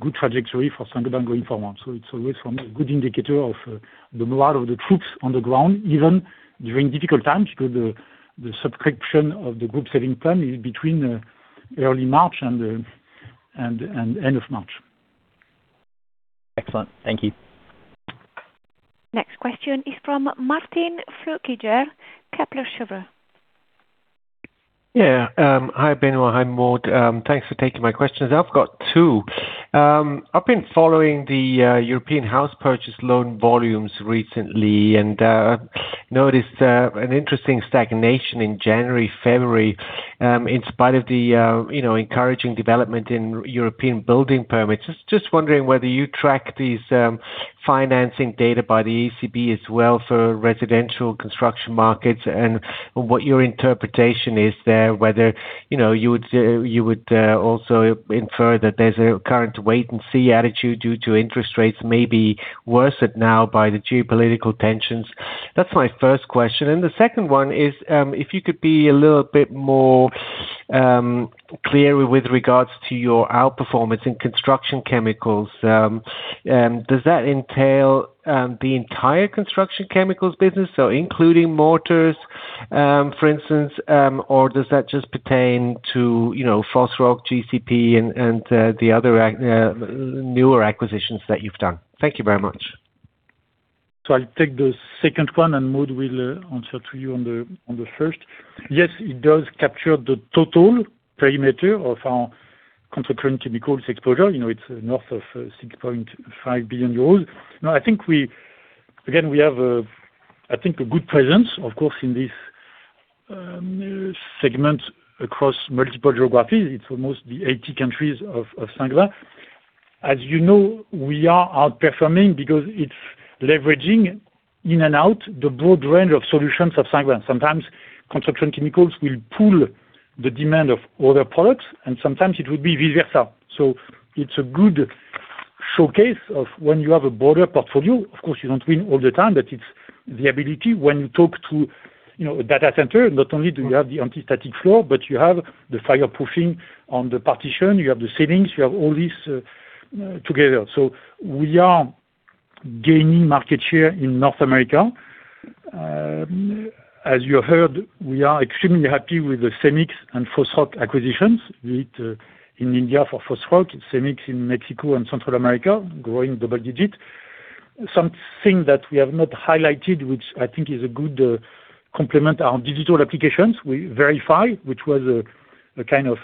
good trajectory for Saint-Gobain going forward. It's always a good indicator of the morale of the troops on the ground, even during difficult times, because the subscription of the group savings plan is between early March and end of March. Excellent. Thank you. Next question is from Martin Flueckiger, Kepler Cheuvreux. Yeah. Hi, Benoît. Hi, Maud. Thanks for taking my questions. I've got two. I've been following the European house purchase loan volumes recently and noticed an interesting stagnation in January, February, in spite of the encouraging development in European building permits. Just wondering whether you track these financing data by the ECB as well for residential construction markets, and what your interpretation is there, whether you would also infer that there's a current wait-and-see attitude due to interest rates, maybe worsened now by the geopolitical tensions. That's my first question. The second one is if you could be a little bit more clear with regards to your outperformance in Construction Chemicals. Does that entail the entire Construction Chemicals business, so including mortars, for instance? Or does that just pertain to Fosroc, GCP, and the other newer acquisitions that you've done? Thank you very much. I'll take the second one, and Maud will answer to you on the first. Yes, it does capture the total perimeter of our Construction Chemicals exposure. It's north of 6.5 billion euros. Now, I think, again, we have a good presence, of course, in this segment across multiple geographies. It's almost the 80 countries of Saint-Gobain. As you know, we are outperforming because it's leveraging in and out the broad range of solutions of Saint-Gobain. Sometimes Construction Chemicals will pull the demand of other products, and sometimes it would be vice versa. It's a good showcase of when you have a broader portfolio. Of course, you don't win all the time, but it's the ability when you talk to a data center, not only do you have the anti-static floor, but you have the fireproofing on the partition, you have the ceilings, you have all this together. We are gaining market share in North America. As you have heard, we are extremely happy with the Cemix and Fosroc acquisitions, be it in India for Fosroc, Cemix in Mexico and Central America, growing double-digit. Something that we have not highlighted, which I think is a good complement, our digital applications, Verifi, which was a kind of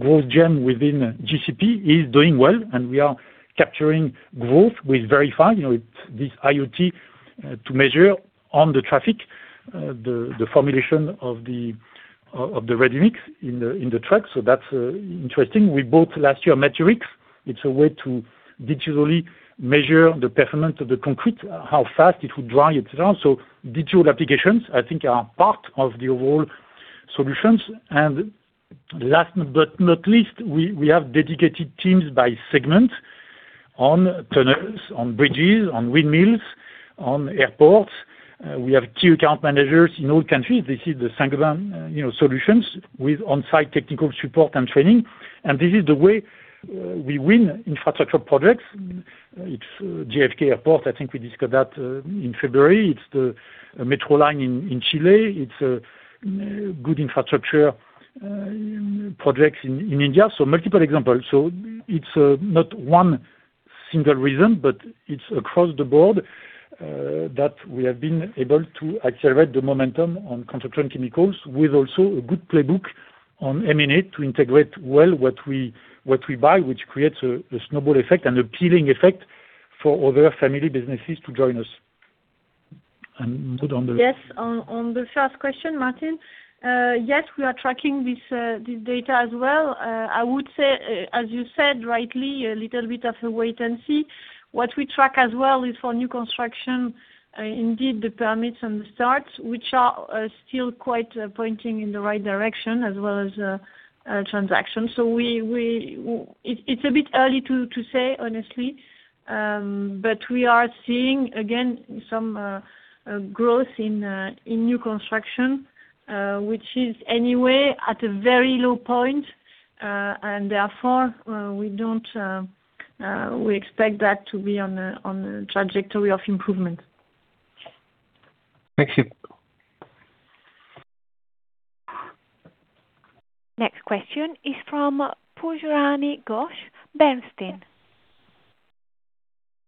growth gem within GCP, is doing well, and we are capturing growth with Verifi. It's this IoT to measure on the transit, the formulation of the ready-mix in the truck. That's interesting. We bought, last year, Maturix. It's a way to digitally measure the performance of the concrete, how fast it will dry, et cetera. Digital applications, I think, are part of the overall solutions. Last but not least, we have dedicated teams by segment on tunnels, on bridges, on windmills, on airports. We have key account managers in all countries. This is the Saint-Gobain solutions with on-site technical support and training. This is the way we win infrastructure projects. It's JFK Airport. I think we discussed that in February. It's the metro line in Chile. It's good infrastructure projects in India. Multiple examples. It's not one single reason, but it's across the board that we have been able to accelerate the momentum on Construction Chemicals with also a good playbook on M&A to integrate well what we buy, which creates a snowball effect, an appealing effect for other family businesses to join us. Maud on the- Yes. On the first question, Martin, yes, we are tracking this data as well. I would say, as you said rightly, a little bit of a wait and see. What we track as well is for new construction, indeed, the permits and the starts, which are still quite pointing in the right direction as well as transactions. It's a bit early to say, honestly, but we are seeing again some growth in new construction, which is anyway at a very low point, and therefore, we expect that to be on a trajectory of improvement. Thank you. Next question is from Pujarini Ghosh, Bernstein.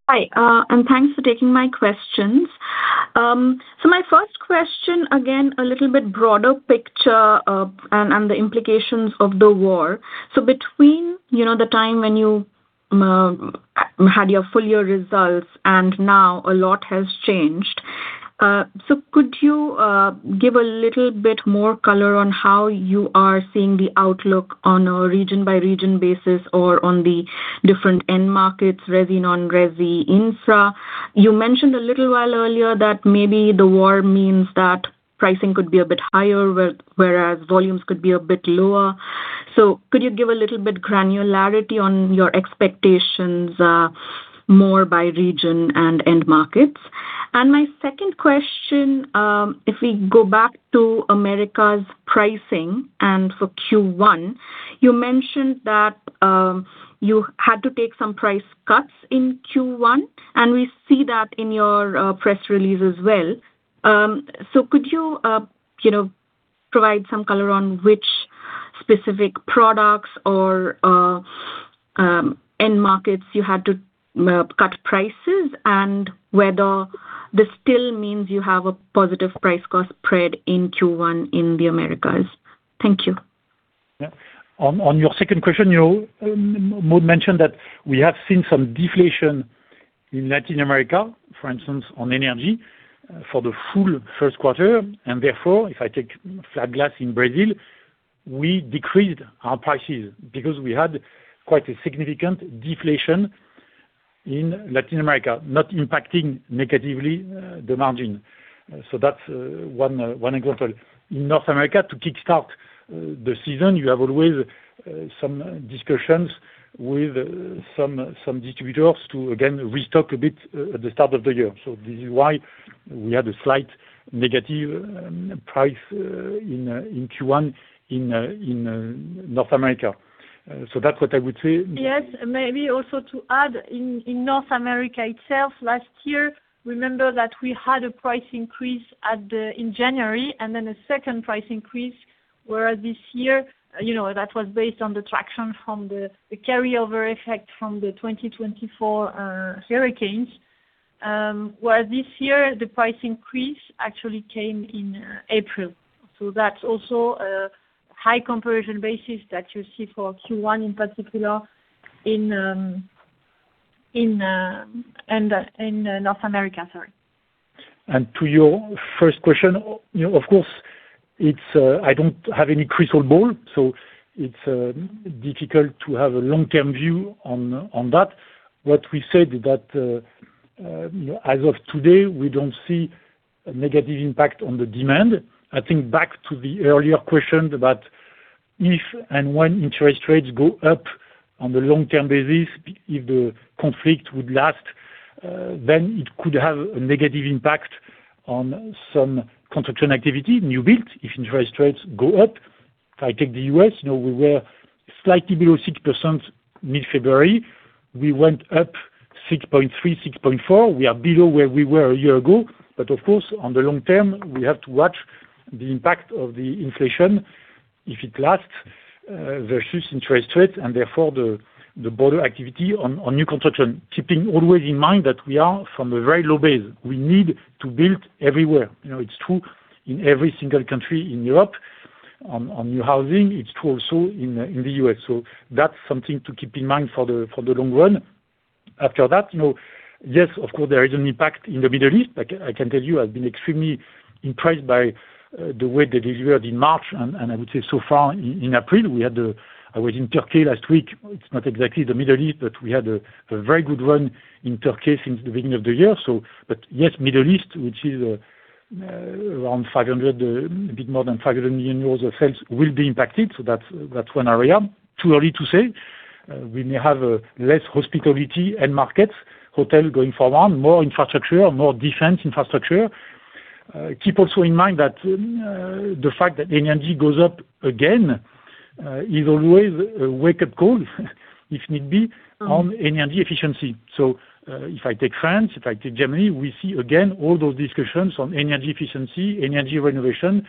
Hi, thanks for taking my questions. My first question, again, a little bit broader picture and the implications of the war. Between the time when you had your full year results and now, a lot has changed. Could you give a little bit more color on how you are seeing the outlook on a region-by-region basis or on the different end markets, resi, non-resi, infra? You mentioned a little while earlier that maybe the war means that pricing could be a bit higher, whereas volumes could be a bit lower. Could you give a little bit granularity on your expectations, more by region and end markets? My second question, if we go back to America's pricing and for Q1, you mentioned that you had to take some price cuts in Q1, and we see that in your press release as well. Could you provide some color on which specific products or end markets you had to cut prices and whether this still means you have a positive price cost spread in Q1 in the Americas? Thank you. Yeah. On your second question, Maud mentioned that we have seen some deflation in Latin America, for instance, on energy for the full Q1. Therefore, if I take flat glass in Brazil, we decreased our prices because we had quite a significant deflation in Latin America, not impacting negatively the margin. That's one example. In North America to kick start the season, you have always some discussions with some distributors to, again, restock a bit at the start of the year. This is why we had a slight negative price in Q1 in North America. That's what I would say. Yes. Maybe also to add in North America itself last year, remember that we had a price increase in January and then a second price increase. Whereas this year, that was based on the traction from the carryover effect from the 2024 hurricanes, where this year the price increase actually came in April. So that's also a high comparison basis that you see for Q1 in particular in North America. Sorry. To your first question, of course, I don't have any crystal ball, so it's difficult to have a long-term view on that. What we said is that as of today, we don't see a negative impact on the demand. I think back to the earlier question about if and when interest rates go up on the long-term basis, if the conflict would last, then it could have a negative impact on some construction activity, new build, if interest rates go up. If I take the U.S., we were slightly below 6% mid-February. We went up 6.3%, 6.4%. We are below where we were a year ago. Of course, on the long term, we have to watch the impact of the inflation if it lasts versus interest rates, and therefore the broader activity on new construction. Keeping always in mind that we are from a very low base. We need to build everywhere. It's true in every single country in Europe on new housing. It's true also in the U.S. That's something to keep in mind for the long run. After that, yes, of course there is an impact in the Middle East. I can tell you, I've been extremely impressed by the way they delivered in March. I would say so far in April, I was in Turkey last week. It's not exactly the Middle East, but we had a very good run in Turkey since the beginning of the year. Yes, Middle East, which is around a bit more than 500 million euros of sales will be impacted. That's one area too early to say. We may have less hospitality end markets, hotel going forward, more infrastructure, more defense infrastructure. Keep also in mind that the fact that energy goes up again is always a wake-up call, if need be, on energy efficiency. If I take France, if I take Germany, we see again all those discussions on energy efficiency, energy renovation,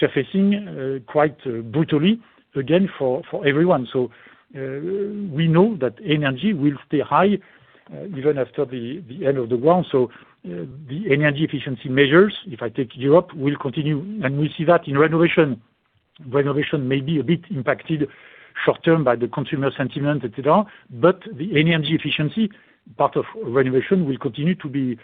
surfacing quite brutally again for everyone. We know that energy will stay high even after the end of the war. The energy efficiency measures, if I take Europe, will continue, and we see that in renovation. Renovation may be a bit impacted short-term by the consumer sentiment, et cetera, but the energy efficiency part of renovation will continue to be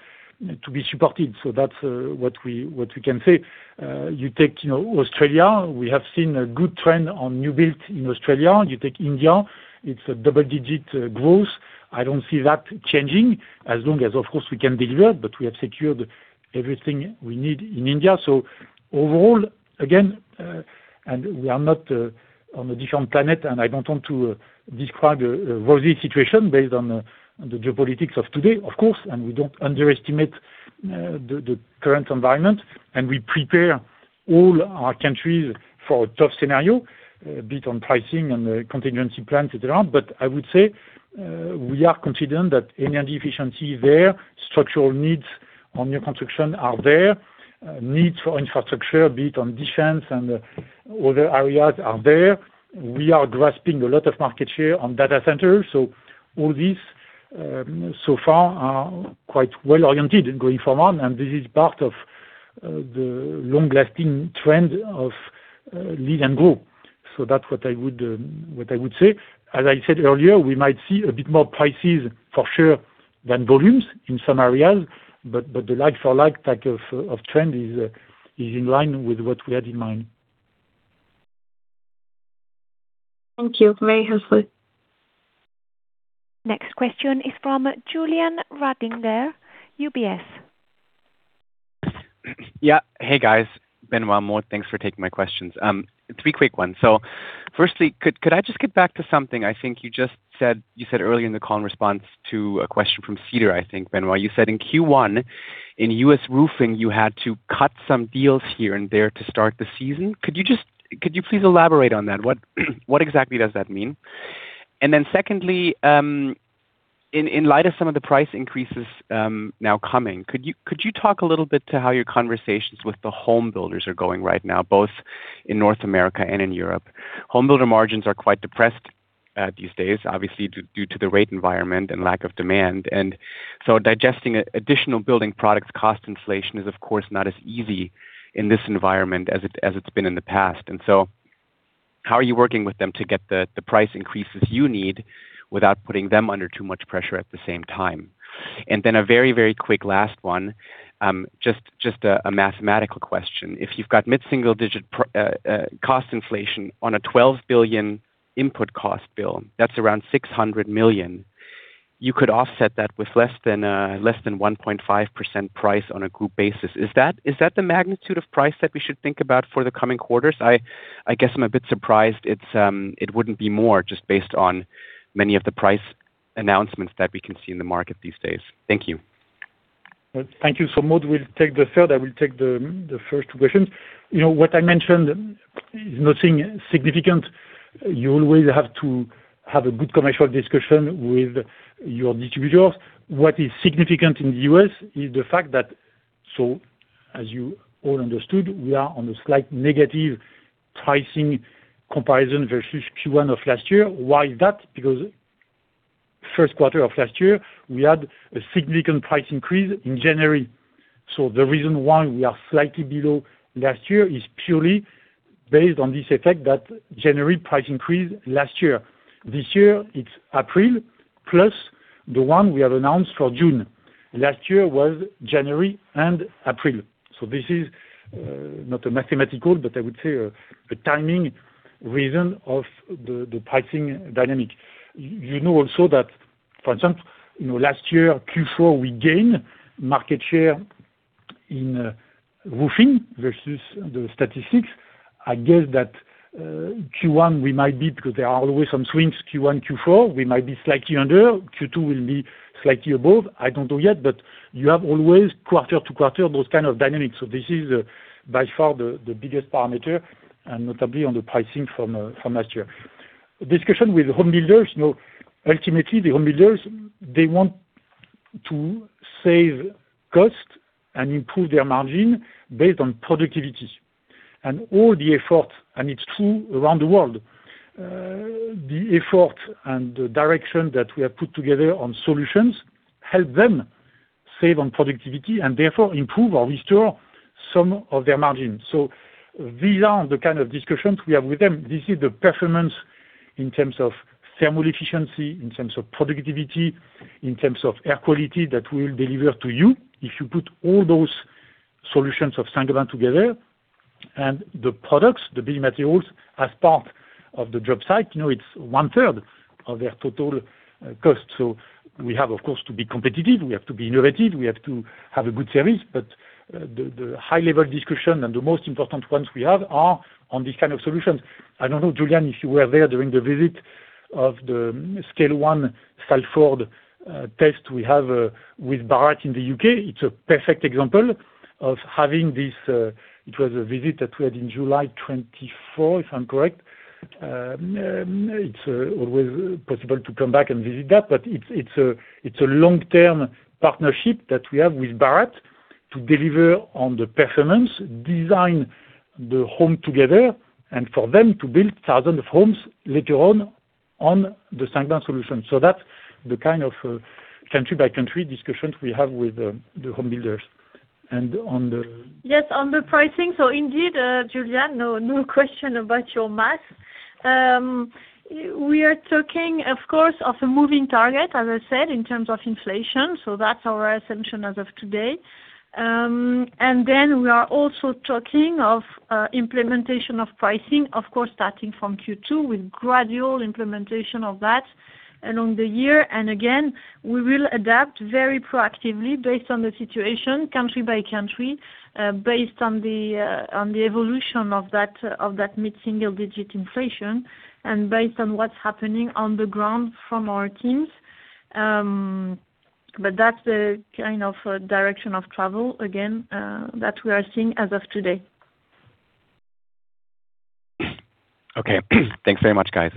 supported. That's what we can say. You take Australia, we have seen a good trend on new build in Australia. You take India, it's a double-digit growth. I don't see that changing as long as, of course, we can deliver, but we have secured everything we need in India. Overall, again, and we are not on a different planet, and I don't want to describe a rosy situation based on the geopolitics of today, of course, and we don't underestimate the current environment, and we prepare all our countries for a tough scenario, a bit on pricing and contingency plans et cetera. I would say we are confident that energy efficiency there, structural needs on new construction are there, needs for infrastructure, a bit on defense and other areas are there. We are grasping a lot of market share on data centers. All these so far are quite well-oriented going forward, and this is part of the long-lasting trend of Lead and Grow. That's what I would say. As I said earlier, we might see a bit more prices for sure than volumes in some areas, but the like-for-like type of trend is in line with what we had in mind. Thank you. Very helpful. Next question is from Julian Radlinger, UBS. Yeah. Hey, guys. Benoît, Maud, thanks for taking my questions. Three quick ones. Firstly, could I just get back to something I think you just said, you said earlier in the call in response to a question from Cedar, I think, Benoît, you said in Q1, in U.S. roofing, you had to cut some deals here and there to start the season. Could you please elaborate on that? What exactly does that mean? Secondly, in light of some of the price increases now coming, could you talk a little bit to how your conversations with the home builders are going right now, both in North America and in Europe? Home builder margins are quite depressed these days, obviously due to the rate environment and lack of demand. Digesting additional building products cost inflation is, of course, not as easy in this environment as it's been in the past. How are you working with them to get the price increases you need without putting them under too much pressure at the same time? Then a very, very quick last one, just a mathematical question. If you've got mid-single digit cost inflation on a 12 billion input cost bill, that's around 600 million. You could offset that with less than 1.5% price on a group basis. Is that the magnitude of price that we should think about for the coming quarters? I guess I'm a bit surprised it wouldn't be more just based on many of the price announcements that we can see in the market these days. Thank you. Thank you. Maud will take the third. I will take the first two questions. What I mentioned is nothing significant. You always have to have a good commercial discussion with your distributors. What is significant in the U.S. is the fact that, so as you all understood, we are on a slight negative pricing comparison versus Q1 of last year. Why is that? Because Q1 of last year, we had a significant price increase in January. The reason why we are slightly below last year is purely based on this effect, that January price increase last year. This year, it's April, plus the one we have announced for June. Last year was January and April. This is not a mathematical, but I would say a timing reason of the pricing dynamic. You know also that, for example, last year, Q4, we gain market share in roofing versus the statistics. I guess that Q1 we might be, because there are always some swings, Q1, Q4, we might be slightly under, Q2 will be slightly above. I don't know yet, but you have always quarter-to-quarter those kind of dynamics. So this is by far the biggest parameter, and notably on the pricing from last year. Discussion with home builders, ultimately the home builders, they want to save cost and improve their margin based on productivity. All the effort, and it's true around the world, the effort and the direction that we have put together on solutions help them save on productivity and therefore improve or restore some of their margins. So these are the kind of discussions we have with them. This is the performance in terms of thermal efficiency, in terms of productivity, in terms of air quality that we'll deliver to you if you put all those solutions of Saint-Gobain together and the products, the building materials as part of the job site, it's one-third of their total cost. We have, of course, to be competitive, we have to be innovative, we have to have a good service. The high level discussion and the most important ones we have are on these kind of solutions. I don't know, Julian, if you were there during the visit of the full-scale Salford test we have with Barratt in the U.K. It's a perfect example of having this. It was a visit that we had in July 2024, if I'm correct. It's always possible to come back and visit that. It's a long-term partnership that we have with Barratt to deliver on the performance, design the home together, and for them to build thousands of homes later on the Saint-Gobain solution. That's the kind of country-by-country discussions we have with the home builders. On the- Yes, on the pricing. Indeed, Julian, no question about your math. We are talking, of course, of a moving target, as I said, in terms of inflation. That's our assumption as of today. Then we are also talking of implementation of pricing, of course, starting from Q2 with gradual implementation of that along the year. Again, we will adapt very proactively based on the situation, country by country, based on the evolution of that mid-single digit inflation and based on what's happening on the ground from our teams. That's the kind of direction of travel, again, that we are seeing as of today. Okay. Thanks very much, guys.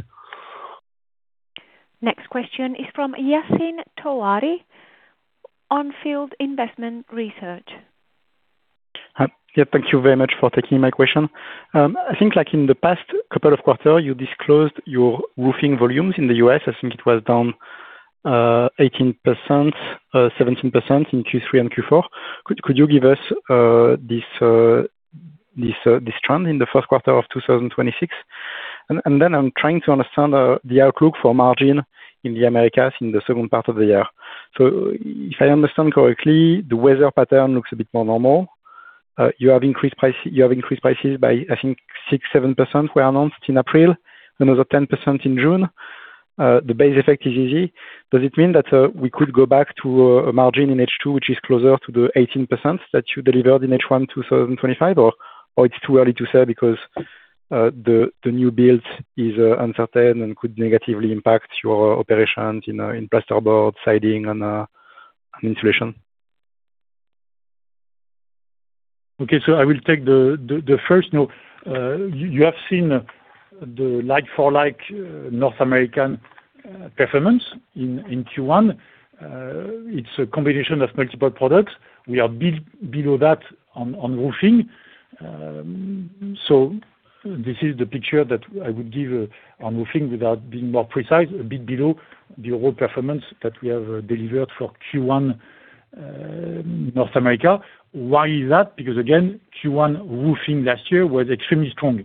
Next question is from Yassine Touahri, On Field Investment Research. Yeah, thank you very much for taking my question. I think like in the past couple of quarters, you disclosed your roofing volumes in the U.S. I think it was down 18%, 17% in Q3 and Q4. Could you give us this trend in the Q1 of 2026? And then I'm trying to understand the outlook for margin in the Americas in the second part of the year. If I understand correctly, the weather pattern looks a bit more normal. You have increased prices by, I think, 6%-7% were announced in April, another 10% in June. The base effect is easy. Does it mean that we could go back to a margin in H2, which is closer to the 18% that you delivered in H1 2025? It's too early to say because the new build is uncertain and could negatively impact your operations in plasterboard, siding, and insulation? Okay, I will take the first. You have seen the like-for-like North American performance in Q1. It's a combination of multiple products. We are a bit below that on roofing. This is the picture that I would give on roofing without being more precise, a bit below the overall performance that we have delivered for Q1 North America. Why is that? Because again, Q1 roofing last year was extremely strong.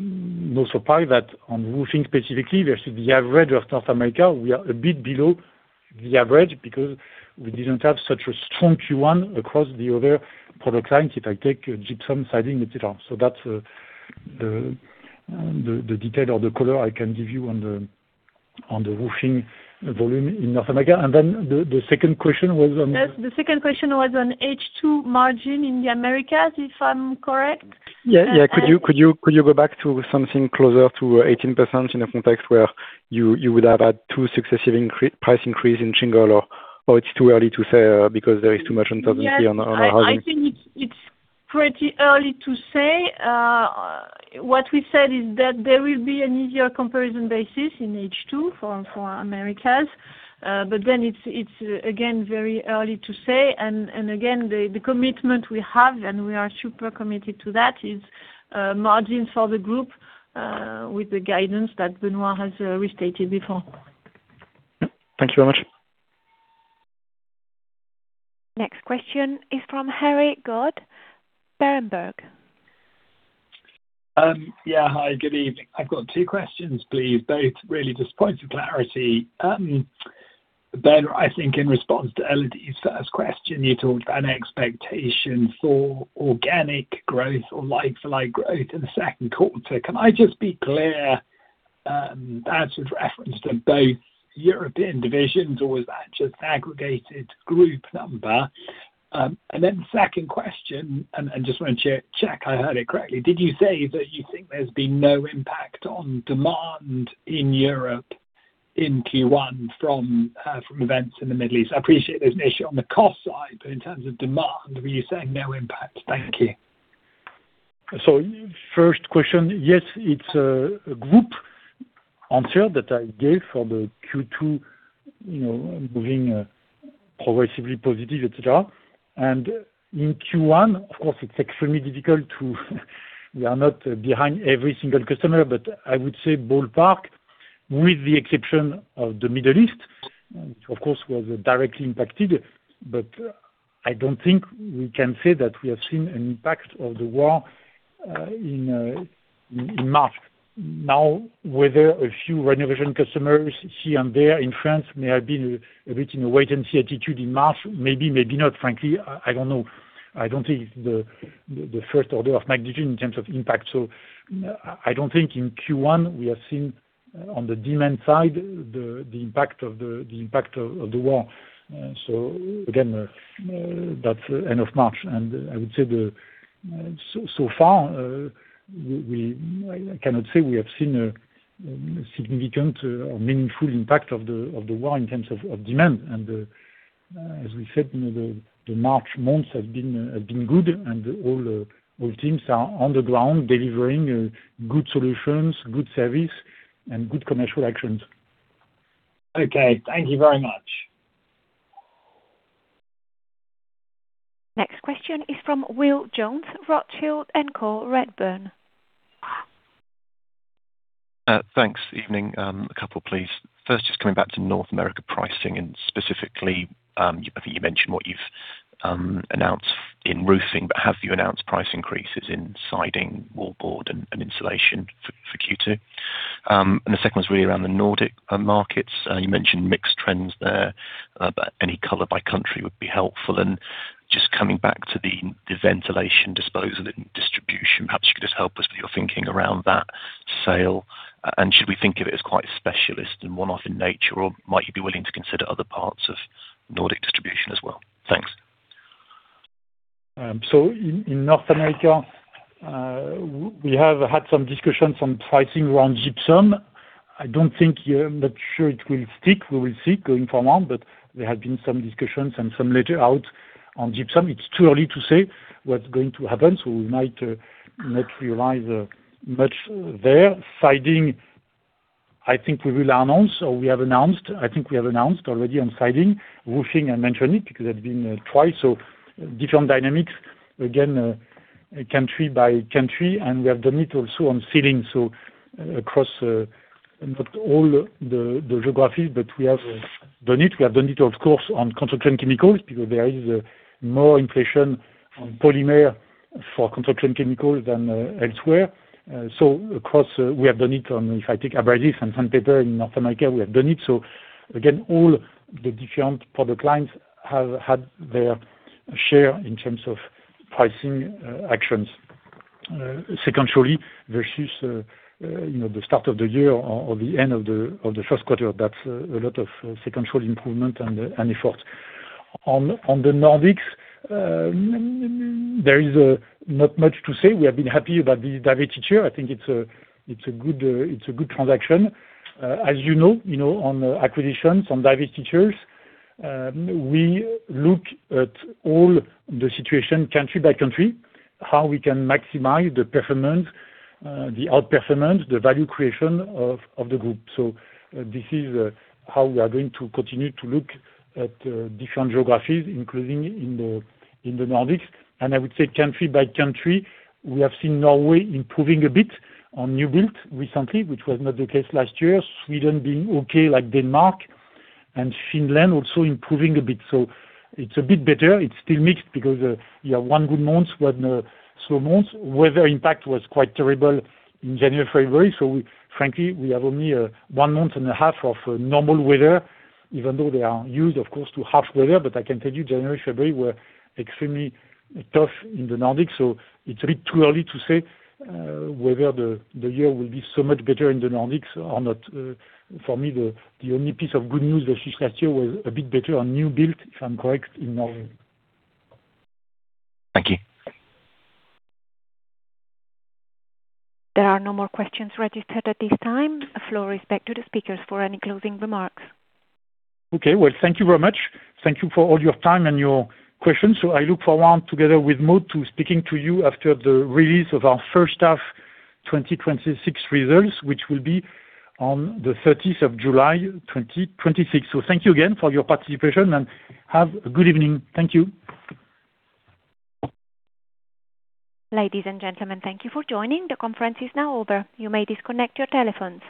No surprise that on roofing specifically versus the average of North America, we are a bit below the average because we didn't have such a strong Q1 across the other product lines. If I take gypsum, siding, et cetera. That's the detail or the color I can give you on the roofing volume in North America. Then the second question was on- Yes. The second question was on H2 margin in the Americas, if I'm correct. Yeah. Could you go back to something closer to 18% in a context where you would have had two successive price increase in shingle, or it's too early to say because there is too much uncertainty on the housing? Yes, I think it's pretty early to say. What we said is that there will be an easier comparison basis in H2 for Americas. It's, again, very early to say. Again, the commitment we have, and we are super committed to that, is margin for the group with the guidance that Benoît has restated before. Thank you very much. Next question is from Harry Goad, Berenberg. Hi, good evening. I've got two questions, please. Both really just points of clarity. Benoît, I think in response to Elodie's first question, you talked about an expectation for organic growth or like-for-like growth in the Q2. Can I just be clear, that's with reference to both European divisions or was that just aggregated group number? Second question, I just want to check I heard it correctly, did you say that you think there's been no impact on demand in Europe in Q1 from events in the Middle East? I appreciate there's an issue on the cost side, but in terms of demand, were you saying no impact? Thank you. First question, yes, it's a group answer that I gave for the Q2 moving progressively positive, et cetera. In Q1, of course, it's extremely difficult to. We are not behind every single customer, but I would say ballpark, with the exception of the Middle East, which of course, was directly impacted. I don't think we can say that we have seen an impact of the war in March. Now, whether a few renovation customers here and there in France may have been a bit in a wait-and-see attitude in March, maybe not. Frankly, I don't know. I don't think it's the first order of magnitude in terms of impact. I don't think in Q1 we have seen on the demand side, the impact of the war. Again, that's end of March, and I would say so far, I cannot say we have seen a significant or meaningful impact of the war in terms of demand. As we said, the March months have been good and all teams are on the ground delivering good solutions, good service, and good commercial actions. Okay. Thank you very much. Next question is from Will Jones, Rothschild & Co Redburn. Thanks. Evening. A couple, please. First, just coming back to North America pricing, and specifically, I think you mentioned what you've announced in roofing, but have you announced price increases in siding, wallboard, and insulation for Q2? The second was really around the Nordic markets. You mentioned mixed trends there, but any color by country would be helpful. Just coming back to the ventilation, disposal, and distribution, perhaps you could just help us with your thinking around that sale, and should we think of it as quite specialist and one-off in nature, or might you be willing to consider other parts of Nordic distribution as well? Thanks. In North America, we have had some discussions on pricing around gypsum. I'm not sure it will stick. We will see going forward, but there have been some discussions and some letters out on gypsum. It's too early to say what's going to happen, so we might not realize much there. Siding, I think we will announce or we have announced. I think we have announced already on siding. Roofing, I mentioned it because it had been twice. Different dynamics, again, country by country, and we have done it also on ceiling. Across, not all the geography, but we have done it. We have done it, of course, on Construction Chemicals, because there is more inflation on polymer for Construction Chemicals than elsewhere. Of course, we have done it on, if I take abrasives and sandpaper in North America, we have done it. Again, all the different product lines have had their share in terms of pricing actions. Secondarily, versus the start of the year or the end of the Q1, that's a lot of secondary improvement and effort. On the Nordics, there is not much to say. We have been happy about the divestiture. I think it's a good transaction. As you know, on acquisitions, on divestitures, we look at all the situation country by country, how we can maximize the performance, the outperformance, the value creation of the group. This is how we are going to continue to look at different geographies, including in the Nordics. I would say country by country, we have seen Norway improving a bit on new build recently, which was not the case last year, Sweden being okay like Denmark, and Finland also improving a bit. It's a bit better. It's still mixed because you have one good month, one slow month. Weather impact was quite terrible in January, February. Frankly, we have only one month and a half of normal weather, even though they are used, of course, to harsh weather. I can tell you, January, February were extremely tough in the Nordics, so it's a bit too early to say whether the year will be so much better in the Nordics or not. For me, the only piece of good news versus last year was a bit better on new build, if I'm correct, in Norway. Thank you. There are no more questions registered at this time. The floor is back to the speakers for any closing remarks. Okay. Well, thank you very much. Thank you for all your time and your questions. I look forward together with Maud to speaking to you after the release of our H1 2026 results, which will be on the 30th of July, 2026. Thank you again for your participation and have a good evening. Thank you. Ladies and gentlemen, thank you for joining. The conference is now over. You may disconnect your telephones.